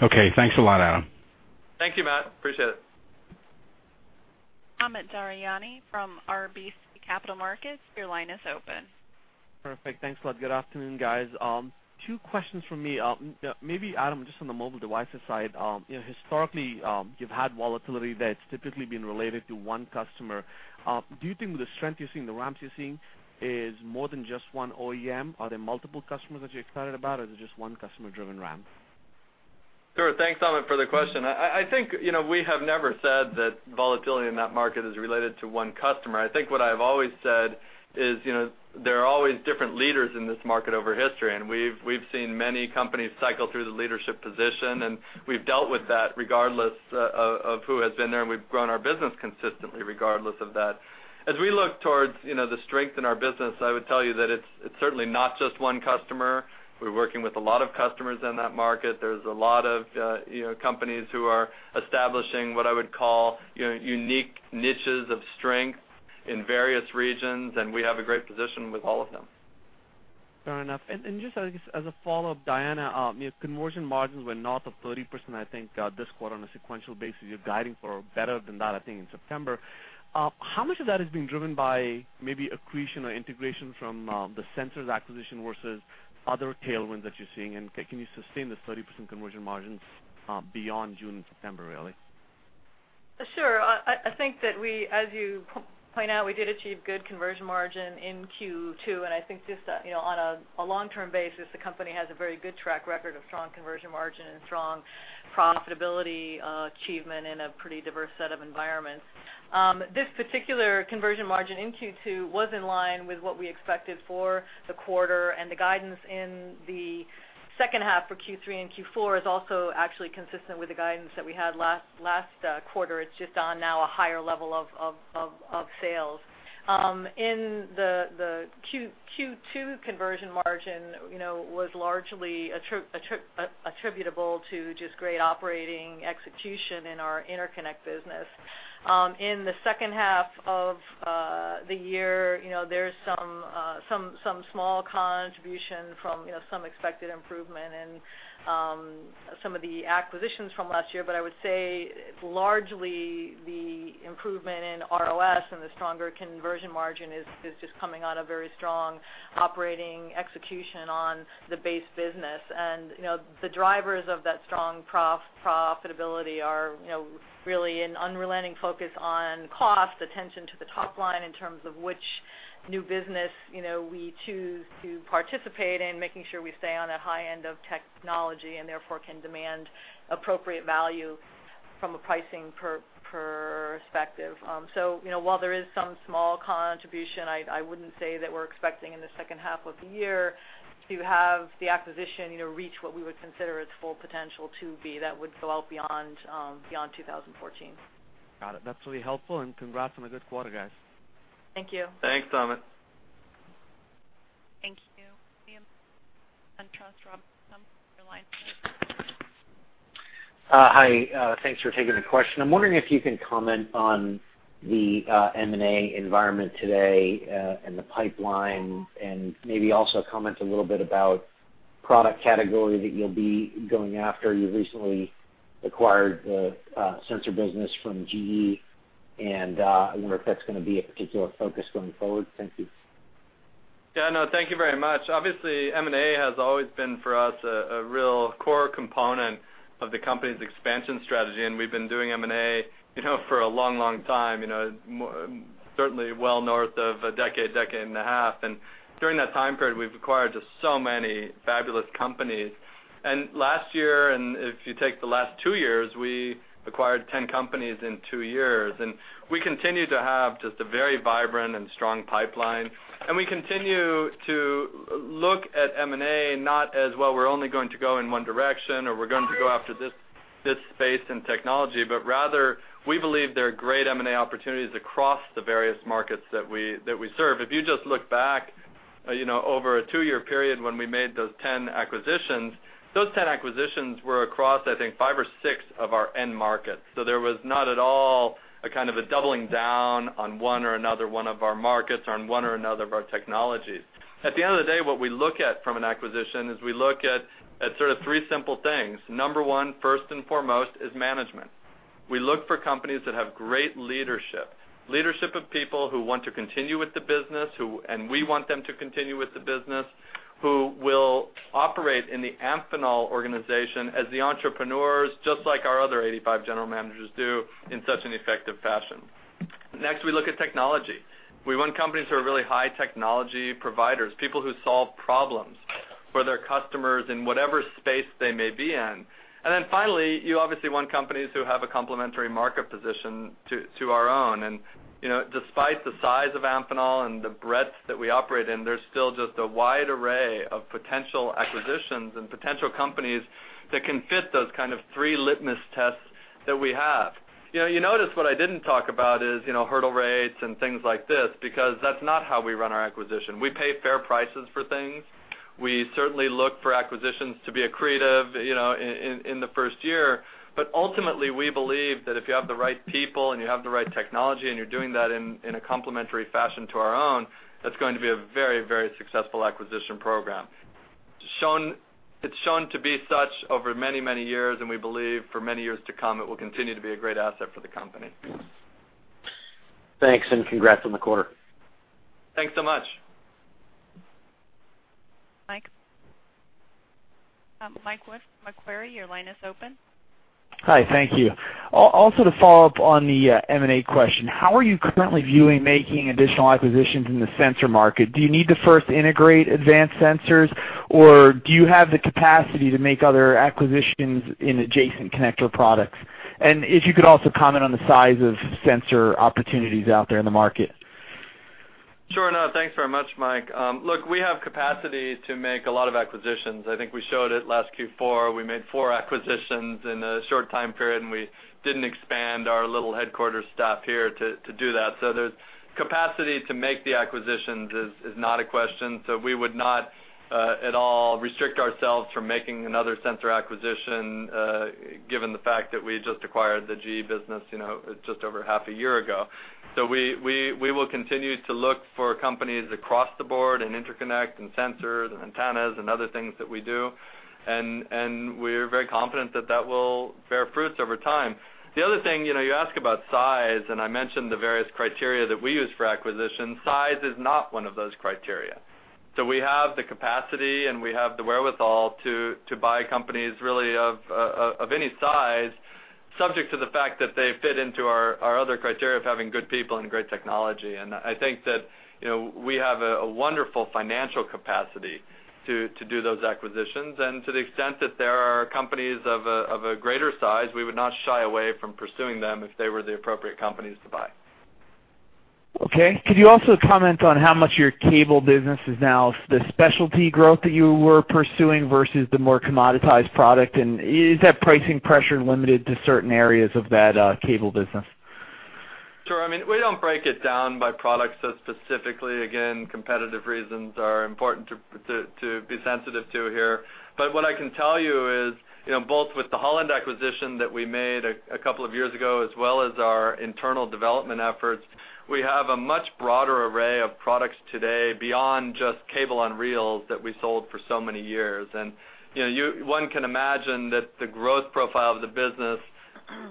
[SPEAKER 7] Okay, thanks a lot, Adam.
[SPEAKER 3] Thank you, Matt. Appreciate it.
[SPEAKER 1] Amit Daryanani from RBC Capital Markets, your line is open.
[SPEAKER 8] Perfect. Thanks a lot. Good afternoon, guys. Two questions from me. Maybe, Adam, just on the mobile devices side, you know, historically, you've had volatility that's typically been related to one customer. Do you think the strength you're seeing, the ramps you're seeing, is more than just one OEM? Are there multiple customers that you're excited about, or is it just one customer-driven ramp?
[SPEAKER 3] Sure. Thanks, Amit, for the question. I think, you know, we have never said that volatility in that market is related to one customer. I think what I've always said is, you know, there are always different leaders in this market over history, and we've seen many companies cycle through the leadership position, and we've dealt with that regardless of who has been there, and we've grown our business consistently, regardless of that. As we look towards, you know, the strength in our business, I would tell you that it's certainly not just one customer. We're working with a lot of customers in that market. There's a lot of, you know, companies who are establishing what I would call, you know, unique niches of strength in various regions, and we have a great position with all of them.
[SPEAKER 8] Fair enough. And just as a follow-up, Diana, you know, conversion margins were north of 30%, I think, this quarter on a sequential basis. You're guiding for better than that, I think, in September. How much of that is being driven by maybe accretion or integration from the Sensors acquisition versus other tailwinds that you're seeing? And can you sustain the 30% conversion margins beyond June and September, really?
[SPEAKER 2] Sure. I think that we, as you point out, we did achieve good conversion margin in Q2, and I think just, you know, on a long-term basis, the company has a very good track record of strong conversion margin and strong profitability achievement in a pretty diverse set of environments. This particular conversion margin in Q2 was in line with what we expected for the quarter, and the guidance in the second half for Q3 and Q4 is also actually consistent with the guidance that we had last quarter. It's just on now a higher level of sales. In the Q2 conversion margin, you know, was largely attributable to just great operating execution in our Interconnect business. In the second half of the year, you know, there's some small contribution from, you know, some expected improvement in some of the acquisitions from last year. But I would say, largely, the improvement in ROS and the stronger conversion margin is just coming on a very strong operating execution on the base business. And, you know, the drivers of that strong profitability are, you know, really an unrelenting focus on cost, attention to the top line in terms of which new business, you know, we choose to participate in, making sure we stay on that high end of technology, and therefore, can demand appropriate value from a pricing perspective. So you know, while there is some small contribution, I wouldn't say that we're expecting in the second half of the year to have the acquisition, you know, reach what we would consider its full potential to be. That would go out beyond 2014.
[SPEAKER 8] Got it. That's really helpful, and congrats on a good quarter, guys.
[SPEAKER 2] Thank you.
[SPEAKER 3] Thanks, Amit.
[SPEAKER 1] Thank you. your line is open.
[SPEAKER 9] Hi, thanks for taking the question. I'm wondering if you can comment on the M&A environment today, and the pipeline, and maybe also comment a little bit about product category that you'll be going after. You recently acquired the sensor business from GE, and I wonder if that's gonna be a particular focus going forward. Thank you.
[SPEAKER 3] Yeah, no, thank you very much. Obviously, M&A has always been for us a real core component of the company's expansion strategy, and we've been doing M&A, you know, for a long, long time, you know, more, certainly well north of a decade, decade and a half. And during that time period, we've acquired just so many fabulous companies. And last year, and if you take the last two years, we acquired 10 companies in two years. And we continue to have just a very vibrant and strong pipeline, and we continue to look at M&A, not as well, we're only going to go in one direction, or we're going to go after this space and technology, but rather we believe there are great M&A opportunities across the various markets that we serve. If you just look back, you know, over a 2-year period when we made those 10 acquisitions, those 10 acquisitions were across, I think, 5 or 6 of our end markets. So there was not at all a kind of a doubling down on one or another one of our markets or on one or another of our technologies. At the end of the day, what we look at from an acquisition is we look at, at sort of three simple things. Number one, first and foremost, is management. We look for companies that have great leadership, leadership of people who want to continue with the business, who - and we want them to continue with the business, who will operate in the Amphenol organization as the entrepreneurs, just like our other 85 general managers do in such an effective fashion. Next, we look at technology. We want companies who are really high technology providers, people who solve problems for their customers in whatever space they may be in. And then finally, you obviously want companies who have a complementary market position to our own. And, you know, despite the size of Amphenol and the breadth that we operate in, there's still just a wide array of potential acquisitions and potential companies that can fit those kind of three litmus tests that we have. You know, you notice what I didn't talk about is, you know, hurdle rates and things like this, because that's not how we run our acquisition. We pay fair prices for things. We certainly look for acquisitions to be accretive, you know, in the first year. But ultimately, we believe that if you have the right people and you have the right technology, and you're doing that in a complementary fashion to our own, that's going to be a very, very successful acquisition program. It's shown to be such over many, many years, and we believe for many years to come, it will continue to be a great asset for the company.
[SPEAKER 10] Thanks, and congrats on the quarter.
[SPEAKER 3] Thanks so much.
[SPEAKER 1] Mike? Mike Wood, Macquarie, your line is open.
[SPEAKER 11] Hi, thank you. Also to follow up on the, M&A question, how are you currently viewing making additional acquisitions in the sensor market? Do you need to first integrate Advanced Sensors, or do you have the capacity to make other acquisitions in adjacent connector products? And if you could also comment on the size of sensor opportunities out there in the market.
[SPEAKER 3] Sure enough. Thanks very much, Mike. Look, we have capacity to make a lot of acquisitions. I think we showed it last Q4. We made four acquisitions in a short time period, and we didn't expand our little headquarters staff here to do that. So there's capacity to make the acquisitions is not a question. So we would not at all restrict ourselves from making another sensor acquisition, given the fact that we just acquired the GE business, you know, just over half a year ago. So we will continue to look for companies across the board in interconnect and sensors and antennas and other things that we do. And we're very confident that that will bear fruits over time. The other thing, you know, you ask about size, and I mentioned the various criteria that we use for acquisition. Size is not one of those criteria. So we have the capacity and we have the wherewithal to buy companies really of any size, subject to the fact that they fit into our other criteria of having good people and great technology. And I think that, you know, we have a wonderful financial capacity to do those acquisitions. And to the extent that there are companies of a greater size, we would not shy away from pursuing them if they were the appropriate companies to buy. Okay. Could you also comment on how much your cable business is now, the specialty growth that you were pursuing versus the more commoditized product? And is that pricing pressure limited to certain areas of that, cable business?
[SPEAKER 12] Sure. I mean, we don't break it down by products so specifically. Again, competitive reasons are important to be sensitive to here. But what I can tell you is, you know, both with the Holland acquisition that we made a couple of years ago, as well as our internal development efforts, we have a much broader array of products today beyond just cable on reels that we sold for so many years. And, you know, one can imagine that the growth profile of the business,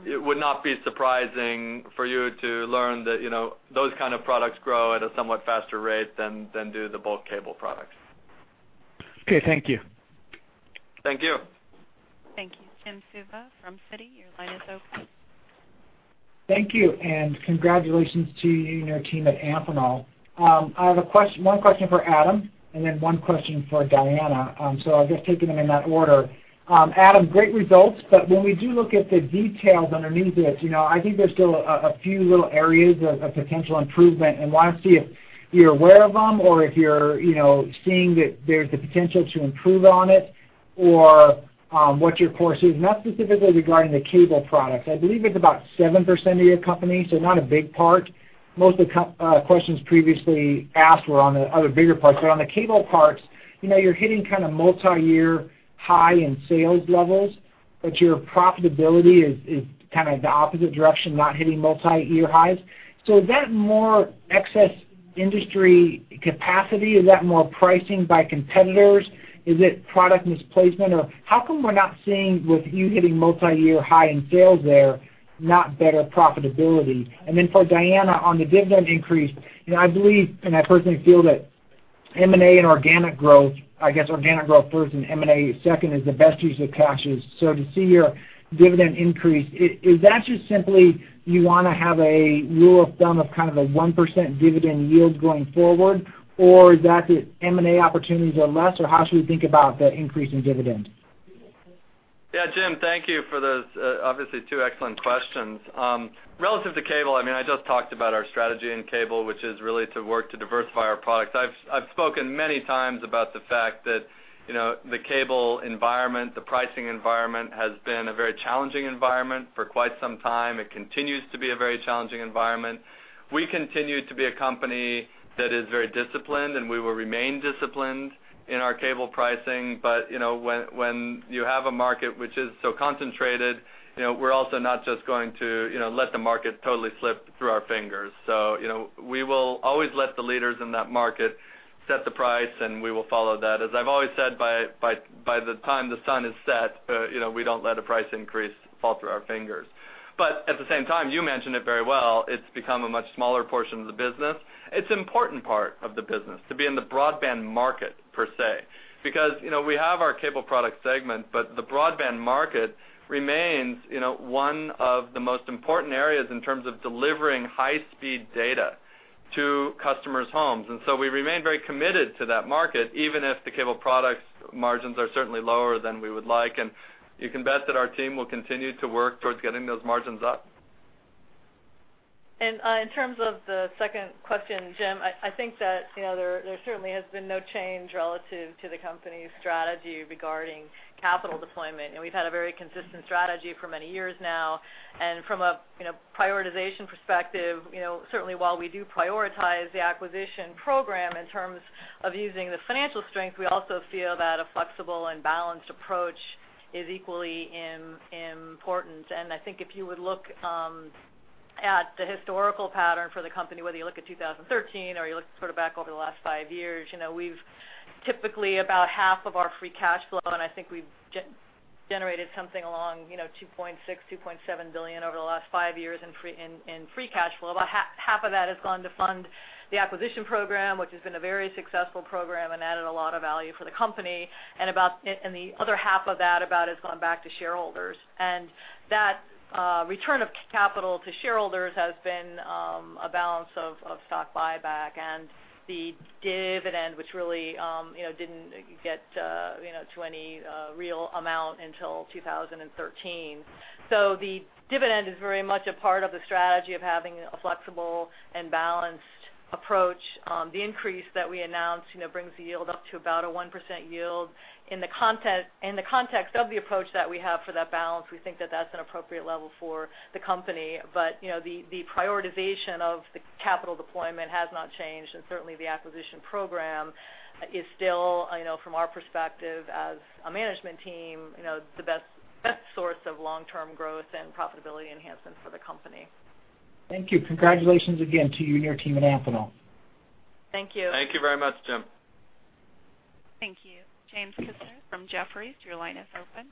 [SPEAKER 12] it would not be surprising for you to learn that, you know, those kind of products grow at a somewhat faster rate than do the bulk cable products.
[SPEAKER 11] Okay, thank you.
[SPEAKER 3] Thank you.
[SPEAKER 1] Thank you. Jim Suva from Citi, your line is open.
[SPEAKER 13] Thank you, and congratulations to you and your team at Amphenol. I have one question for Adam and then one question for Diana. So I'll just take them in that order. Adam, great results, but when we do look at the details underneath this, you know, I think there's still a few little areas of potential improvement, and I want to see if you're aware of them or if you're, you know, seeing that there's the potential to improve on it or what your course is, not specifically regarding the cable products. I believe it's about 7% of your company, so not a big part. Most of the questions previously asked were on the other bigger parts. But on the cable parts, you know, you're hitting kind of multi-year high in sales levels, but your profitability is kind of the opposite direction, not hitting multi-year highs. So is that more excess industry capacity? Is that more pricing by competitors? Is it product misplacement, or how come we're not seeing with you hitting multi-year high in sales there, not better profitability? And then for Diana, on the dividend increase, you know, I believe, and I personally feel that M&A and organic growth, I guess organic growth first and M&A second, is the best use of cash. So to see your dividend increase, is that just simply you want to have a rule of thumb of kind of a 1% dividend yield going forward? Or is that the M&A opportunities are less, or how should we think about the increase in dividend?...
[SPEAKER 3] Yeah, Jim, thank you for those, obviously, two excellent questions. Relative to cable, I mean, I just talked about our strategy in cable, which is really to work to diversify our products. I've spoken many times about the fact that, you know, the cable environment, the pricing environment has been a very challenging environment for quite some time. It continues to be a very challenging environment. We continue to be a company that is very disciplined, and we will remain disciplined in our cable pricing. But, you know, when you have a market which is so concentrated, you know, we're also not just going to, you know, let the market totally slip through our fingers. So, you know, we will always let the leaders in that market set the price, and we will follow that. As I've always said, by the time the sun is set, you know, we don't let a price increase fall through our fingers. But at the same time, you mentioned it very well, it's become a much smaller portion of the business. It's an important part of the business to be in the broadband market per se, because, you know, we have our cable product segment, but the broadband market remains, you know, one of the most important areas in terms of delivering high-speed data to customers' homes. And so we remain very committed to that market, even if the cable products margins are certainly lower than we would like. And you can bet that our team will continue to work towards getting those margins up.
[SPEAKER 2] In terms of the second question, Jim, I think that, you know, there certainly has been no change relative to the company's strategy regarding capital deployment. You know, we've had a very consistent strategy for many years now, and from a, you know, prioritization perspective, you know, certainly while we do prioritize the acquisition program in terms of using the financial strength, we also feel that a flexible and balanced approach is equally important. I think if you would look at the historical pattern for the company, whether you look at 2013 or you look sort of back over the last five years, you know, we've typically about half of our free cash flow, and I think we've generated something along, you know, $2.6-$2.7 billion over the last five years in free cash flow. About half of that has gone to fund the acquisition program, which has been a very successful program and added a lot of value for the company, and the other half of that has gone back to shareholders. And that return of capital to shareholders has been a balance of stock buyback and the dividend, which really, you know, didn't get, you know, to any real amount until 2013. So the dividend is very much a part of the strategy of having a flexible and balanced approach. The increase that we announced, you know, brings the yield up to about a 1% yield. In the context of the approach that we have for that balance, we think that that's an appropriate level for the company. But, you know, the prioritization of the capital deployment has not changed, and certainly, the acquisition program is still, you know, from our perspective as a management team, you know, the best, best source of long-term growth and profitability enhancements for the company.
[SPEAKER 13] Thank you. Congratulations again to you and your team at Amphenol.
[SPEAKER 2] Thank you.
[SPEAKER 3] Thank you very much, Jim.
[SPEAKER 1] Thank you. James Kisner from Jefferies, your line is open.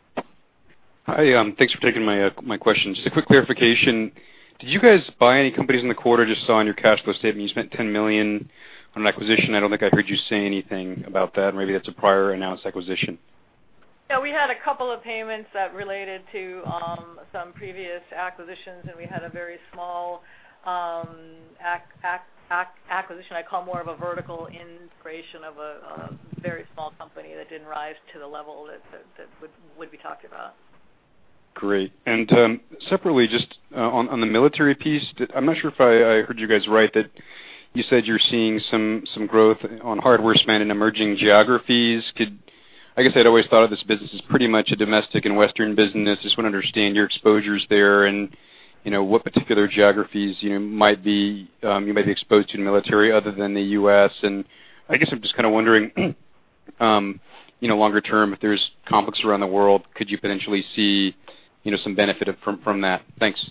[SPEAKER 10] Hi, thanks for taking my, my questions. Just a quick clarification: Did you guys buy any companies in the quarter? Just saw on your cash flow statement, you spent $10 million on acquisition. I don't think I heard you say anything about that, maybe that's a prior announced acquisition.
[SPEAKER 2] Yeah, we had a couple of payments that related to some previous acquisitions, and we had a very small acquisition, I call more of a vertical integration of a very small company that didn't rise to the level that would be talked about.
[SPEAKER 10] Great. And separately, just on the military piece, I'm not sure if I heard you guys right, that you said you're seeing some growth on hardware spend in emerging geographies. I guess I'd always thought of this business as pretty much a domestic and Western business. Just want to understand your exposures there and, you know, what particular geographies, you know, you might be exposed to in military other than the U.S. And I guess I'm just kind of wondering, you know, longer term, if there's conflicts around the world, could you potentially see, you know, some benefit from that? Thanks.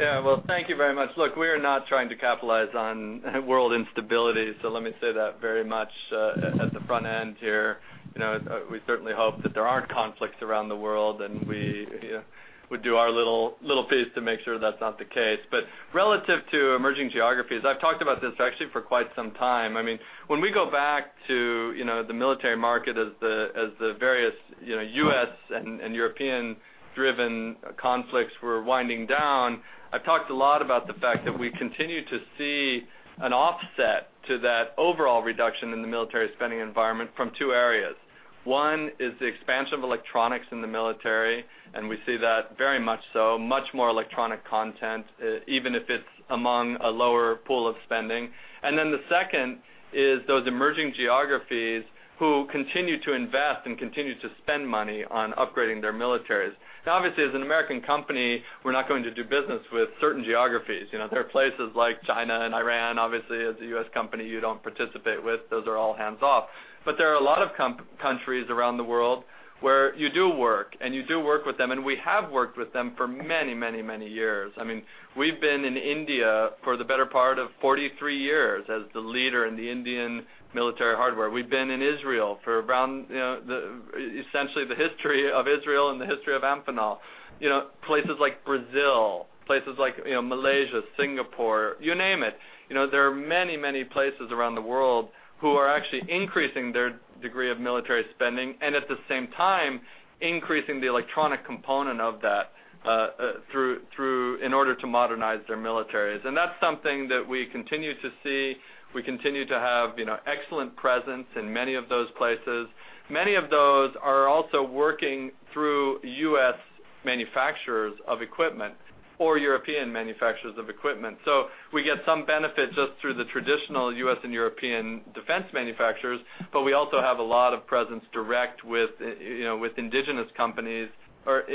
[SPEAKER 3] Yeah, well, thank you very much. Look, we are not trying to capitalize on world instability, so let me say that very much, at the front end here. You know, we certainly hope that there aren't conflicts around the world, and we, you know, we do our little, little piece to make sure that's not the case. But relative to emerging geographies, I've talked about this actually for quite some time. I mean, when we go back to, you know, the military market as the, as the various, you know, U.S. and, and European-driven conflicts were winding down, I've talked a lot about the fact that we continue to see an offset to that overall reduction in the military spending environment from two areas. One is the expansion of electronics in the military, and we see that very much so, much more electronic content, even if it's among a lower pool of spending. And then the second is those emerging geographies who continue to invest and continue to spend money on upgrading their militaries. Now, obviously, as an American company, we're not going to do business with certain geographies. You know, there are places like China and Iran, obviously, as a U.S. company, you don't participate with. Those are all hands-off. But there are a lot of countries around the world where you do work, and you do work with them, and we have worked with them for many, many, many years. I mean, we've been in India for the better part of 43 years as the leader in the Indian military hardware. We've been in Israel for around, you know, the, essentially, the history of Israel and the history of Amphenol. You know, places like Brazil, places like, you know, Malaysia, Singapore, you name it. You know, there are many, many places around the world who are actually increasing their degree of military spending and, at the same time, increasing the electronic component of that in order to modernize their militaries. And that's something that we continue to see. We continue to have, you know, excellent presence in many of those places. Many of those are also working through U.S. manufacturers of equipment or European manufacturers of equipment. So we get some benefit just through the traditional U.S. and European defense manufacturers, but we also have a lot of presence direct with, you know, with indigenous companies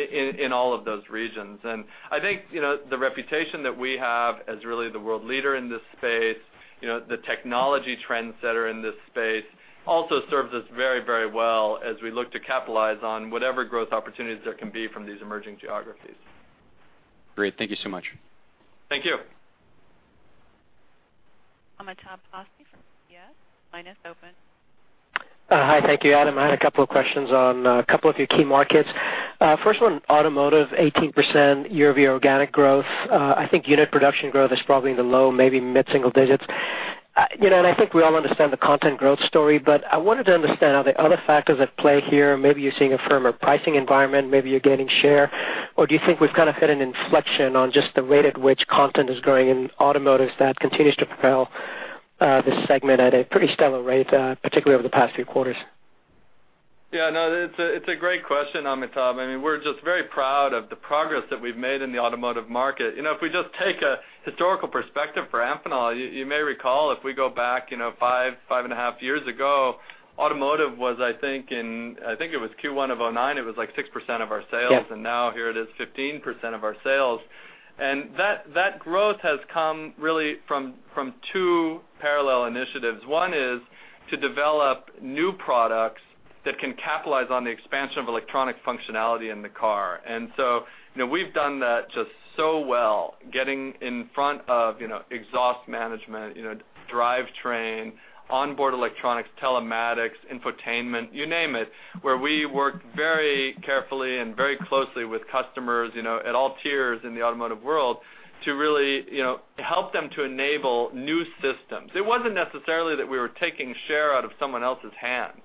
[SPEAKER 3] in all of those regions. I think, you know, the reputation that we have as really the world leader in this space, you know, the technology trends that are in this space, also serves us very, very well as we look to capitalize on whatever growth opportunities there can be from these emerging geographies.
[SPEAKER 10] Great. Thank you so much.
[SPEAKER 3] Thank you.
[SPEAKER 1] Amitabh Passi from UBS, line is open.
[SPEAKER 14] Hi. Thank you, Adam. I had a couple of questions on, a couple of your key markets. First one, automotive, 18% year-over-year organic growth. I think unit production growth is probably in the low, maybe mid-single digits. You know, and I think we all understand the content growth story, but I wanted to understand, are there other factors at play here? Maybe you're seeing a firmer pricing environment, maybe you're gaining share, or do you think we've kind of hit an inflection on just the rate at which content is growing in automotive that continues to propel, this segment at a pretty stellar rate, particularly over the past few quarters?
[SPEAKER 3] Yeah, no, it's a, it's a great question, Amitabh. I mean, we're just very proud of the progress that we've made in the automotive market. You know, if we just take a historical perspective for Amphenol, you, you may recall, if we go back, you know, 5.5 years ago, automotive was, I think, in, I think it was Q1 of 2009, it was like 6% of our sales.
[SPEAKER 14] Yeah.
[SPEAKER 3] And now, here it is, 15% of our sales. And that growth has come really from two parallel initiatives. One is to develop new products that can capitalize on the expansion of electronic functionality in the car. And so, you know, we've done that just so well, getting in front of, you know, exhaust management, you know, drivetrain, onboard electronics, telematics, infotainment, you name it, where we work very carefully and very closely with customers, you know, at all tiers in the automotive world, to really, you know, help them to enable new systems. It wasn't necessarily that we were taking share out of someone else's hands.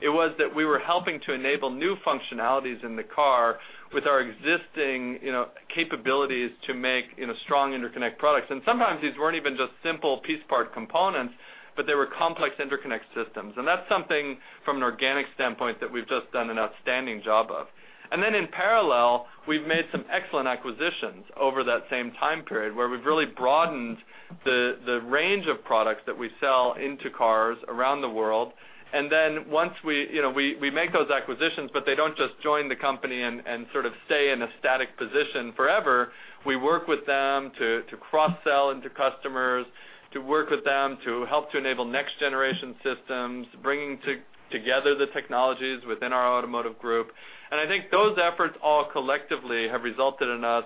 [SPEAKER 3] It was that we were helping to enable new functionalities in the car with our existing, you know, capabilities to make, you know, strong interconnect products. And sometimes these weren't even just simple piece part components, but they were complex interconnect systems. And that's something, from an organic standpoint, that we've just done an outstanding job of. And then in parallel, we've made some excellent acquisitions over that same time period, where we've really broadened the range of products that we sell into cars around the world. And then once we, you know, we make those acquisitions, but they don't just join the company and sort of stay in a static position forever. We work with them to cross-sell into customers, to work with them to help to enable next-generation systems, bringing together the technologies within our Automotive Group. And I think those efforts all collectively have resulted in us,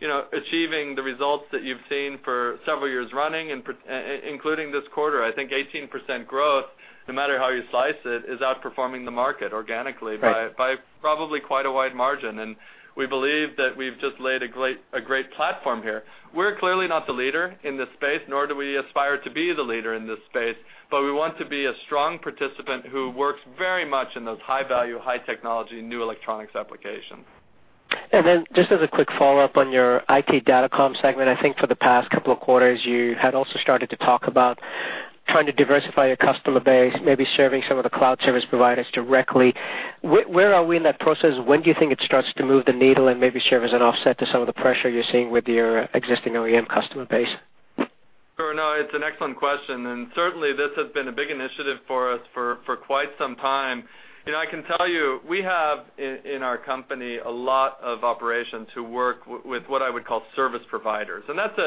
[SPEAKER 3] you know, achieving the results that you've seen for several years running, including this quarter. I think 18% growth, no matter how you slice it, is outperforming the market organically-
[SPEAKER 14] Right...
[SPEAKER 3] by probably quite a wide margin. And we believe that we've just laid a great platform here. We're clearly not the leader in this space, nor do we aspire to be the leader in this space, but we want to be a strong participant who works very much in those high-value, high-technology, new electronics applications.
[SPEAKER 14] Then just as a quick follow-up on your IT Datacom segment, I think for the past couple of quarters, you had also started to talk about trying to diversify your customer base, maybe serving some of the cloud service providers directly. Where are we in that process? When do you think it starts to move the needle and maybe serve as an offset to some of the pressure you're seeing with your existing OEM customer base?
[SPEAKER 3] Sure, no, it's an excellent question, and certainly, this has been a big initiative for us for quite some time. You know, I can tell you, we have in our company a lot of operations who work with what I would call service providers. And that's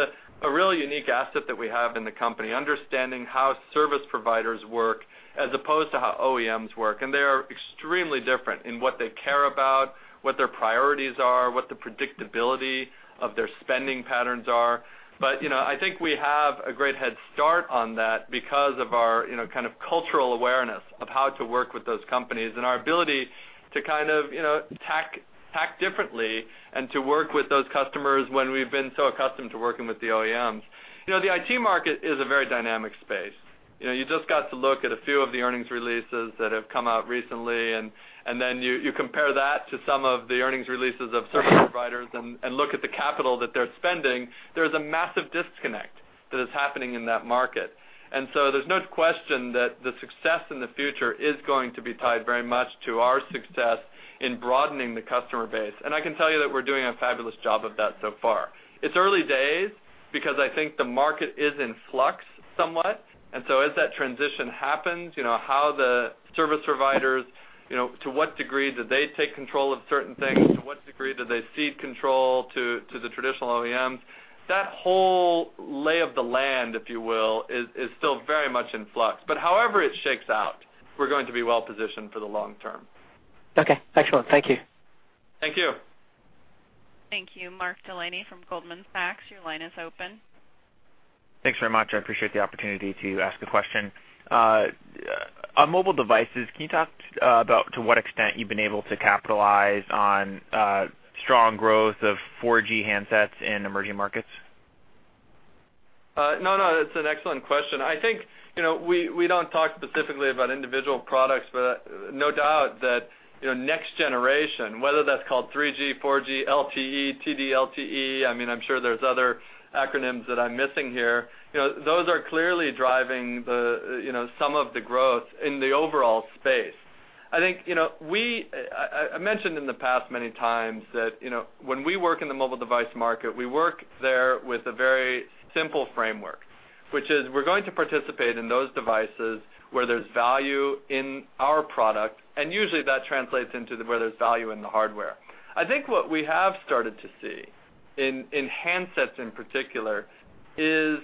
[SPEAKER 3] a really unique asset that we have in the company, understanding how service providers work as opposed to how OEMs work. And they are extremely different in what they care about, what their priorities are, what the predictability of their spending patterns are. But, you know, I think we have a great head start on that because of our, you know, kind of cultural awareness of how to work with those companies and our ability to kind of, you know, tack differently and to work with those customers when we've been so accustomed to working with the OEMs. You know, the IT market is a very dynamic space. You know, you just got to look at a few of the earnings releases that have come out recently, and then you compare that to some of the earnings releases of service providers and look at the capital that they're spending. There's a massive disconnect that is happening in that market. And so there's no question that the success in the future is going to be tied very much to our success in broadening the customer base. And I can tell you that we're doing a fabulous job of that so far. It's early days because I think the market is in flux somewhat, and so as that transition happens, you know, how the service providers, you know, to what degree do they take control of certain things? To what degree do they cede control to the traditional OEMs? That whole lay of the land, if you will, is still very much in flux. But however it shakes out, we're going to be well positioned for the long term.
[SPEAKER 14] Okay, excellent. Thank you.
[SPEAKER 3] Thank you.
[SPEAKER 1] Thank you. Mark Delaney from Goldman Sachs, your line is open.
[SPEAKER 15] Thanks very much. I appreciate the opportunity to ask a question. On mobile devices, can you talk about to what extent you've been able to capitalize on strong growth of 4G handsets in emerging markets?
[SPEAKER 3] No, no, that's an excellent question. I think, you know, we don't talk specifically about individual products, but no doubt that, you know, next generation, whether that's called 3G, 4G, LTE, TD-LTE, I mean, I'm sure there's other acronyms that I'm missing here. You know, those are clearly driving the, you know, some of the growth in the overall space. I think, you know, I mentioned in the past many times that, you know, when we work in the mobile device market, we work there with a very simple framework, which is we're going to participate in those devices where there's value in our product, and usually, that translates into where there's value in the hardware. I think what we have started to see in handsets, in particular, is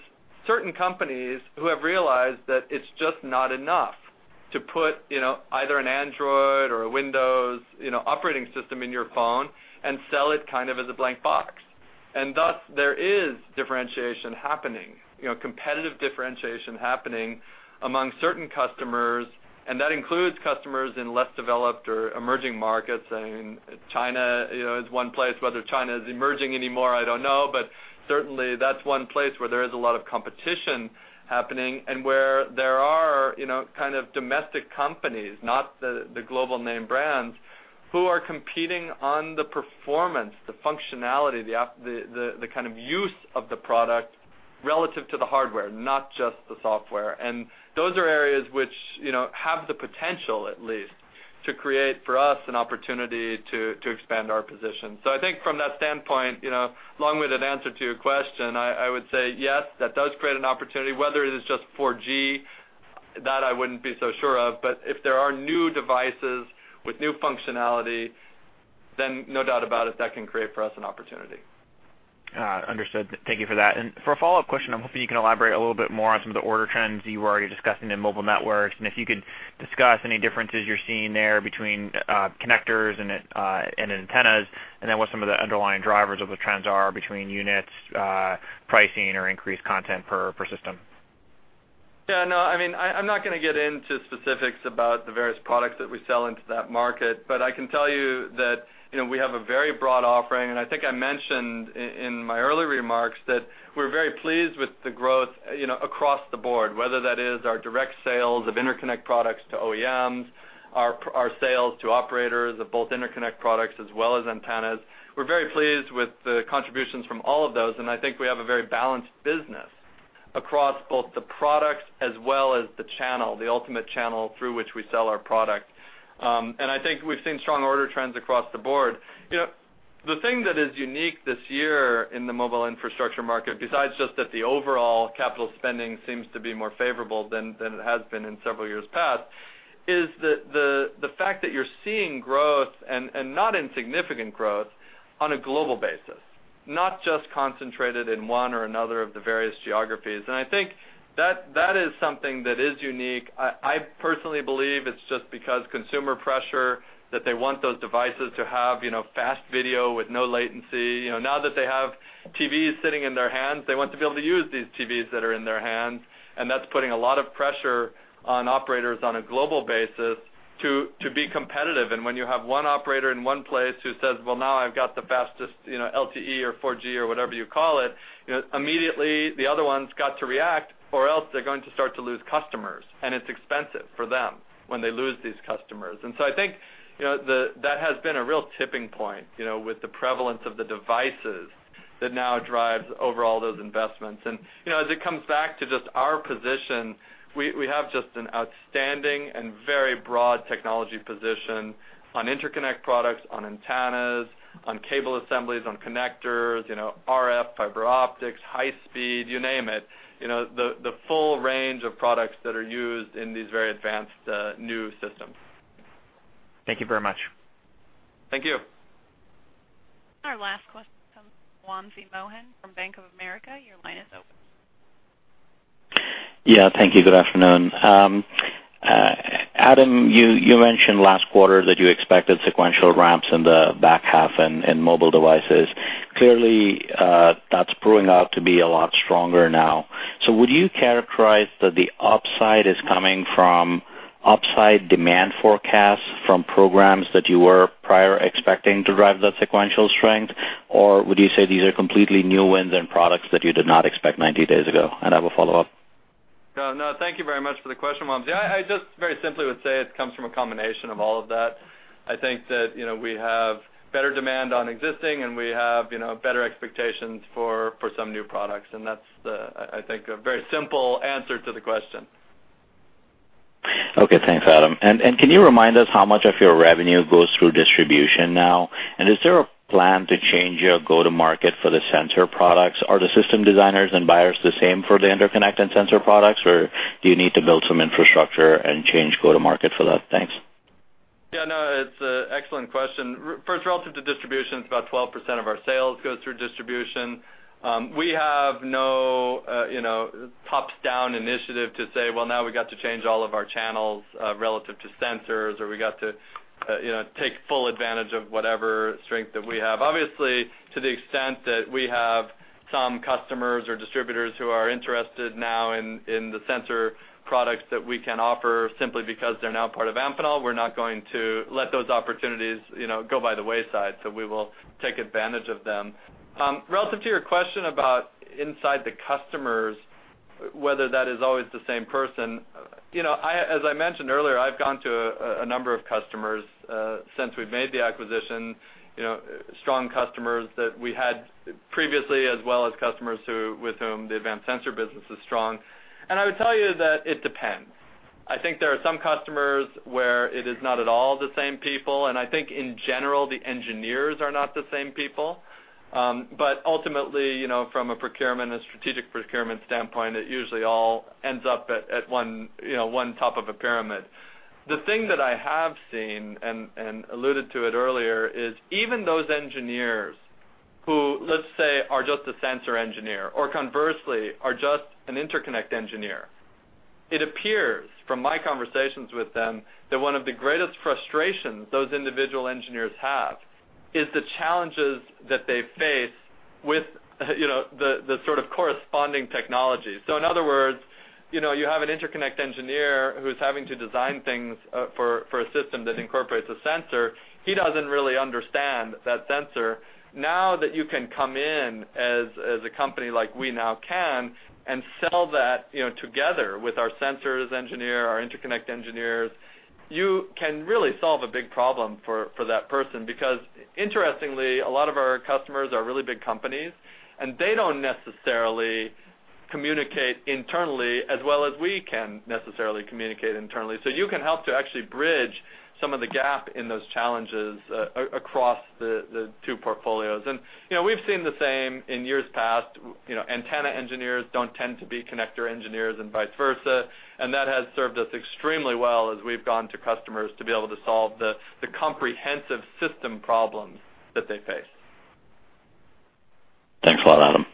[SPEAKER 3] certain companies who have realized that it's just not enough to put, you know, either an Android or a Windows, you know, operating system in your phone and sell it kind of as a blank box. And thus, there is differentiation happening, you know, competitive differentiation happening among certain customers, and that includes customers in less developed or emerging markets. And China, you know, is one place. Whether China is emerging anymore, I don't know, but certainly, that's one place where there is a lot of competition happening and where there are, you know, kind of domestic companies, not the global name brands, who are competing on the performance, the functionality, the kind of use of the product relative to the hardware, not just the software. And those are areas which, you know, have the potential at least to create for us an opportunity to expand our position. So I think from that standpoint, you know, long-winded answer to your question, I would say yes, that does create an opportunity, whether it is just 4G, that I wouldn't be so sure of. But if there are new devices with new functionality, then no doubt about it, that can create for us an opportunity.
[SPEAKER 15] Understood. Thank you for that. And for a follow-up question, I'm hoping you can elaborate a little bit more on some of the order trends you were already discussing in mobile networks, and if you could discuss any differences you're seeing there between connectors and antennas, and then what some of the underlying drivers of the trends are between units, pricing, or increased content per system.
[SPEAKER 3] Yeah, no, I mean, I'm not gonna get into specifics about the various products that we sell into that market, but I can tell you that, you know, we have a very broad offering, and I think I mentioned in my early remarks that we're very pleased with the growth, you know, across the board, whether that is our direct sales of interconnect products to OEMs, our sales to operators of both interconnect products as well as antennas. We're very pleased with the contributions from all of those, and I think we have a very balanced business across both the products as well as the channel, the ultimate channel through which we sell our product. And I think we've seen strong order trends across the board. You know, the thing that is unique this year in the mobile infrastructure market, besides just that the overall capital spending seems to be more favorable than it has been in several years past, is that the fact that you're seeing growth and not insignificant growth on a global basis, not just concentrated in one or another of the various geographies. I think that is something that is unique. I personally believe it's just because consumer pressure, that they want those devices to have, you know, fast video with no latency. You know, now that they have TVs sitting in their hands, they want to be able to use these TVs that are in their hands, and that's putting a lot of pressure on operators on a global basis to be competitive. And when you have one operator in one place who says: Well, now I've got the fastest, you know, LTE or 4G or whatever you call it, you know, immediately, the other one's got to react, or else they're going to start to lose customers, and it's expensive for them when they lose these customers. And so I think, you know, that has been a real tipping point, you know, with the prevalence of the devices that now drives over all those investments. And, you know, as it comes back to just our position, we, we have just an outstanding and very broad technology position on interconnect products, on antennas, on cable assemblies, on connectors, you know, RF, fiber optics, high speed, you name it, you know, the, the full range of products that are used in these very advanced, new systems.
[SPEAKER 15] Thank you very much.
[SPEAKER 3] Thank you.
[SPEAKER 1] Our last question comes from Wamsi Mohan from Bank of America. Your line is open.
[SPEAKER 16] Yeah, thank you. Good afternoon. Adam, you mentioned last quarter that you expected sequential ramps in the back half in mobile devices. Clearly, that's proving out to be a lot stronger now. So would you characterize that the upside is coming from upside demand forecasts from programs that you were prior expecting to drive that sequential strength? Or would you say these are completely new wins and products that you did not expect 90 days ago? And I have a follow-up.
[SPEAKER 3] No, no, thank you very much for the question, Wamsi. I just very simply would say it comes from a combination of all of that. I think that, you know, we have better demand on existing, and we have, you know, better expectations for some new products, and that's the, I think, a very simple answer to the question.
[SPEAKER 16] Okay, thanks, Adam. And, can you remind us how much of your revenue goes through distribution now? And is there a plan to change your go-to-market for the sensor products? Are the system designers and buyers the same for the interconnect and sensor products, or do you need to build some infrastructure and change go-to-market for that? Thanks.
[SPEAKER 3] Yeah, no, it's an excellent question. First, relative to distribution, it's about 12% of our sales goes through distribution. We have no, you know, top-down initiative to say, well, now we've got to change all of our channels relative to sensors, or we got to, you know, take full advantage of whatever strength that we have. Obviously, to the extent that we have some customers or distributors who are interested now in the sensor products that we can offer, simply because they're now part of Amphenol, we're not going to let those opportunities, you know, go by the wayside, so we will take advantage of them. Relative to your question about inside the customers, whether that is always the same person, you know, as I mentioned earlier, I've gone to a number of customers since we've made the acquisition, you know, strong customers that we had previously, as well as customers who, with whom the advanced sensor business is strong. And I would tell you that it depends... I think there are some customers where it is not at all the same people, and I think in general, the engineers are not the same people. But ultimately, you know, from a procurement, a strategic procurement standpoint, it usually all ends up at one, you know, one top of a pyramid. The thing that I have seen and alluded to it earlier is even those engineers who, let's say, are just a sensor engineer, or conversely, are just an interconnect engineer. It appears, from my conversations with them, that one of the greatest frustrations those individual engineers have is the challenges that they face with, you know, the sort of corresponding technology. So in other words, you know, you have an interconnect engineer who's having to design things for a system that incorporates a sensor. He doesn't really understand that sensor. Now that you can come in as a company like we now can, and sell that, you know, together with our sensors engineer, our interconnect engineers, you can really solve a big problem for that person. Because interestingly, a lot of our customers are really big companies, and they don't necessarily communicate internally as well as we can necessarily communicate internally. So you can help to actually bridge some of the gap in those challenges across the two portfolios. And, you know, we've seen the same in years past. You know, antenna engineers don't tend to be connector engineers and vice versa, and that has served us extremely well as we've gone to customers to be able to solve the comprehensive system problems that they face.
[SPEAKER 16] Thanks a lot, Adam.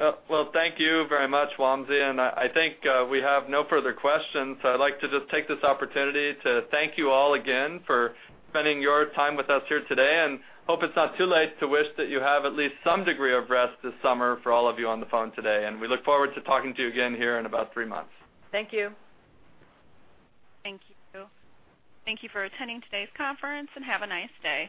[SPEAKER 3] Well, thank you very much, Wamsi, and I, I think, we have no further questions. So I'd like to just take this opportunity to thank you all again for spending your time with us here today, and hope it's not too late to wish that you have at least some degree of rest this summer for all of you on the phone today. And we look forward to talking to you again here in about three months.
[SPEAKER 2] Thank you.
[SPEAKER 1] Thank you. Thank you for attending today's conference, and have a nice day.